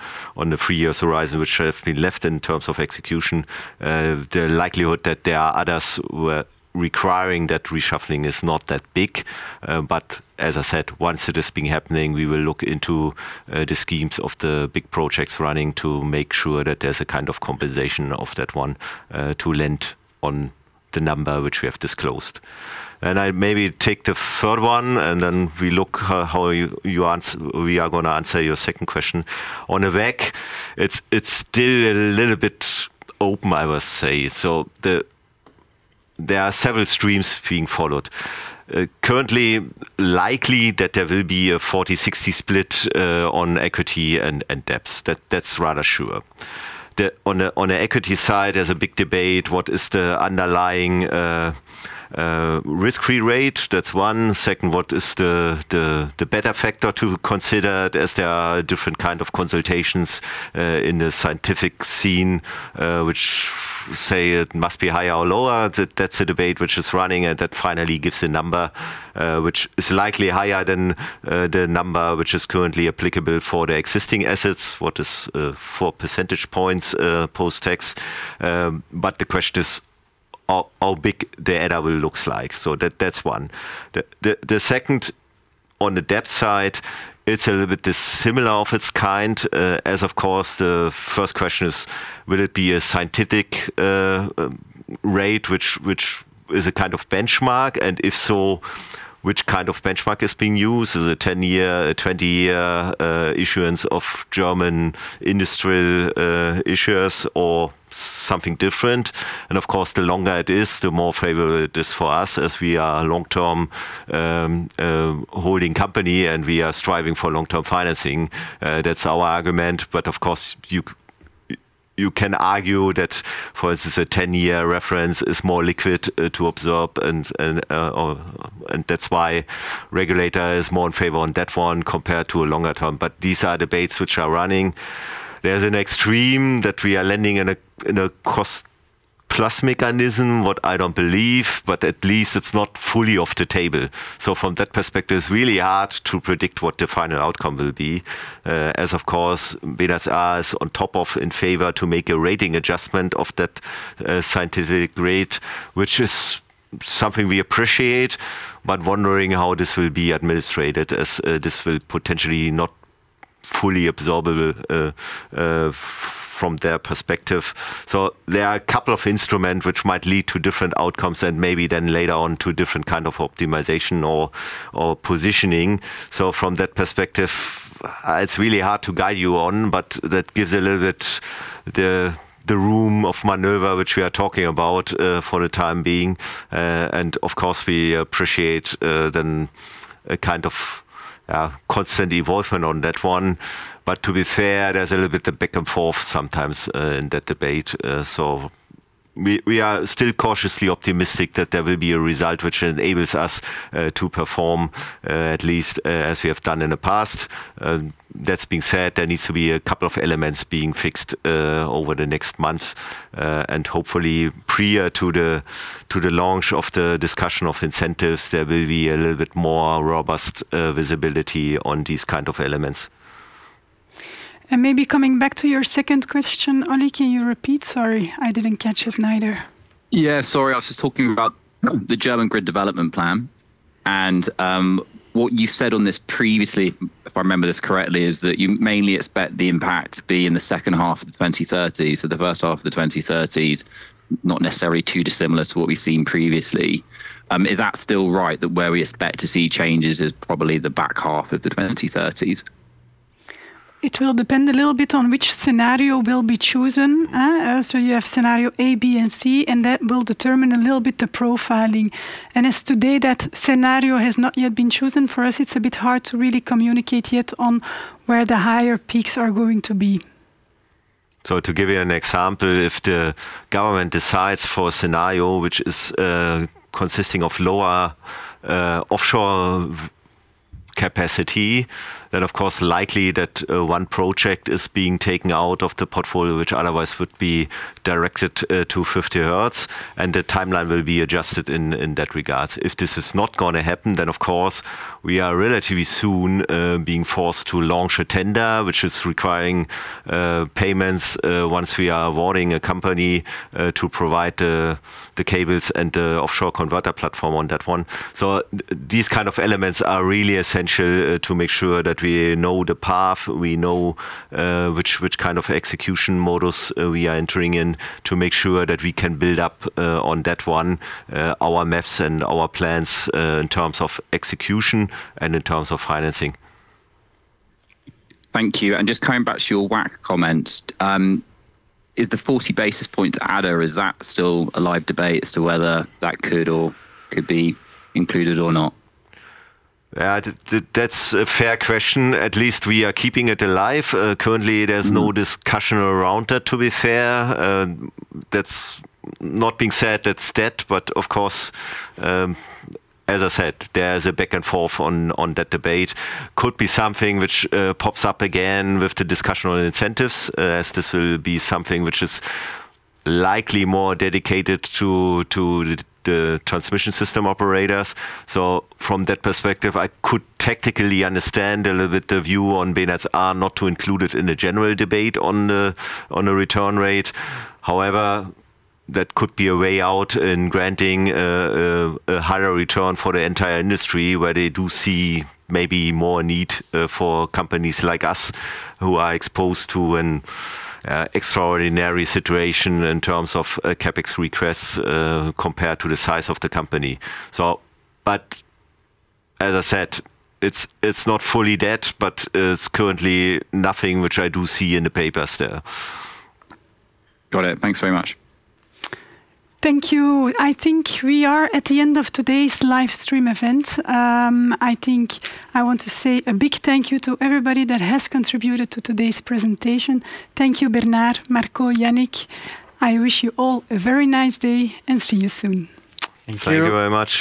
three years horizon, which have been left in terms of execution. The likelihood that there are others who are requiring that reshuffling is not that big. As I said, once it is happening, we will look into the schemes of the big projects running to make sure that there's a kind of compensation of that one to lend on the number which we have disclosed. I maybe take the third one, then we look how we are going to answer your second question. On WACC, it's still a little bit open, I would say. There are several streams being followed. Currently, likely that there will be a 40/60 split on equity and debts. That's rather sure. On the equity side, there's a big debate, what is the underlying risk-free rate? That's one. Second, what is the beta factor to consider as there are different kind of consultations in the scientific scene, which say it must be higher or lower. That's a debate which is running and that finally gives a number, which is likely higher than the number which is currently applicable for the existing assets. What is 4 percentage points post-tax? The question is how big the adder will looks like. That's one. The second, on the debt side, it's a little bit dissimilar of its kind, as of course, the first question is, will it be a scientific rate, which is a kind of benchmark, and if so, which kind of benchmark is being used? Is it 10-year, 20-year issuance of German industrial issuers or something different? Of course, the longer it is, the more favorable it is for us as we are long-term holding company, and we are striving for long-term financing. That's our argument, but of course, you can argue that, for instance, a 10-year reference is more liquid to absorb and that's why regulator is more in favor on that one compared to a longer term. These are debates which are running. There's an extreme that we are lending in a cost-plus mechanism, what I don't believe, but at least it's not fully off the table. From that perspective, it's really hard to predict what the final outcome will be. Of course, Bernard's ask on top of in favor to make a rating adjustment of that synthetic rate, which is something we appreciate, but wondering how this will be administrated as this will potentially not fully absorb from their perspective. There are a couple of instruments which might lead to different outcomes and maybe then later on to different kind of optimization or positioning. From that perspective, it's really hard to guide you on, but that gives a little bit the room of maneuver, which we are talking about for the time being. Of course, we appreciate then a kind of constant involvement on that one. To be fair, there's a little bit of back and forth sometimes in that debate. We are still cautiously optimistic that there will be a result which enables us to perform, at least as we have done in the past. That being said, there needs to be a couple of elements being fixed over the next month. Hopefully prior to the launch of the discussion of incentives, there will be a little bit more robust visibility on these kind of elements. Maybe coming back to your second question, Oli, can you repeat? Sorry, I didn't catch it neither. Sorry. I was just talking about the German grid development plan. What you said on this previously, if I remember this correctly, is that you mainly expect the impact to be in the second half of the 2030s. The first half of the 2030s, not necessarily too dissimilar to what we've seen previously. Is that still right, that where we expect to see changes is probably the back half of the 2030s? It will depend a little bit on which scenario will be chosen. You have scenario A, B, and C, and that will determine a little bit the profiling. As today, that scenario has not yet been chosen. For us, it's a bit hard to really communicate yet on where the higher peaks are going to be. To give you an example, if the government decides for a scenario which is consisting of lower offshore capacity, of course, likely that one project is being taken out of the portfolio, which otherwise would be directed to 50Hertz, and the timeline will be adjusted in that regard. If this is not going to happen, of course, we are relatively soon being forced to launch a tender, which is requiring payments once we are awarding a company to provide the cables and the offshore converter platform on that one. These kind of elements are really essential to make sure that we know the path, we know which kind of execution modus we are entering in to make sure that we can build up on that one, our maps and our plans in terms of execution and in terms of financing. Thank you. Just coming back to your WACC comment. Is the 40 basis points adder, is that still a live debate as to whether that could or could be included or not? Yeah. That's a fair question. At least we are keeping it alive. Currently, there's no discussion around that, to be fair. That's not being said, that's dead, but of course, as I said, there's a back and forth on that debate. Could be something which pops up again with the discussion on incentives, as this will be something which is likely more dedicated to the transmission system operators. From that perspective, I could technically understand a little bit the view on Bernard's are not to include it in the general debate on a return rate. However, that could be a way out in granting a higher return for the entire industry, where they do see maybe more need for companies like us, who are exposed to an extraordinary situation in terms of CapEx requests compared to the size of the company. As I said, it's not fully dead, but it's currently nothing which I do see in the papers there. Got it. Thanks very much. Thank you. I think we are at the end of today's live stream event. I think I want to say a big thank you to everybody that has contributed to today's presentation. Thank you, Bernard, Marco, Yannick. I wish you all a very nice day and see you soon. Thank you. Thank you very much.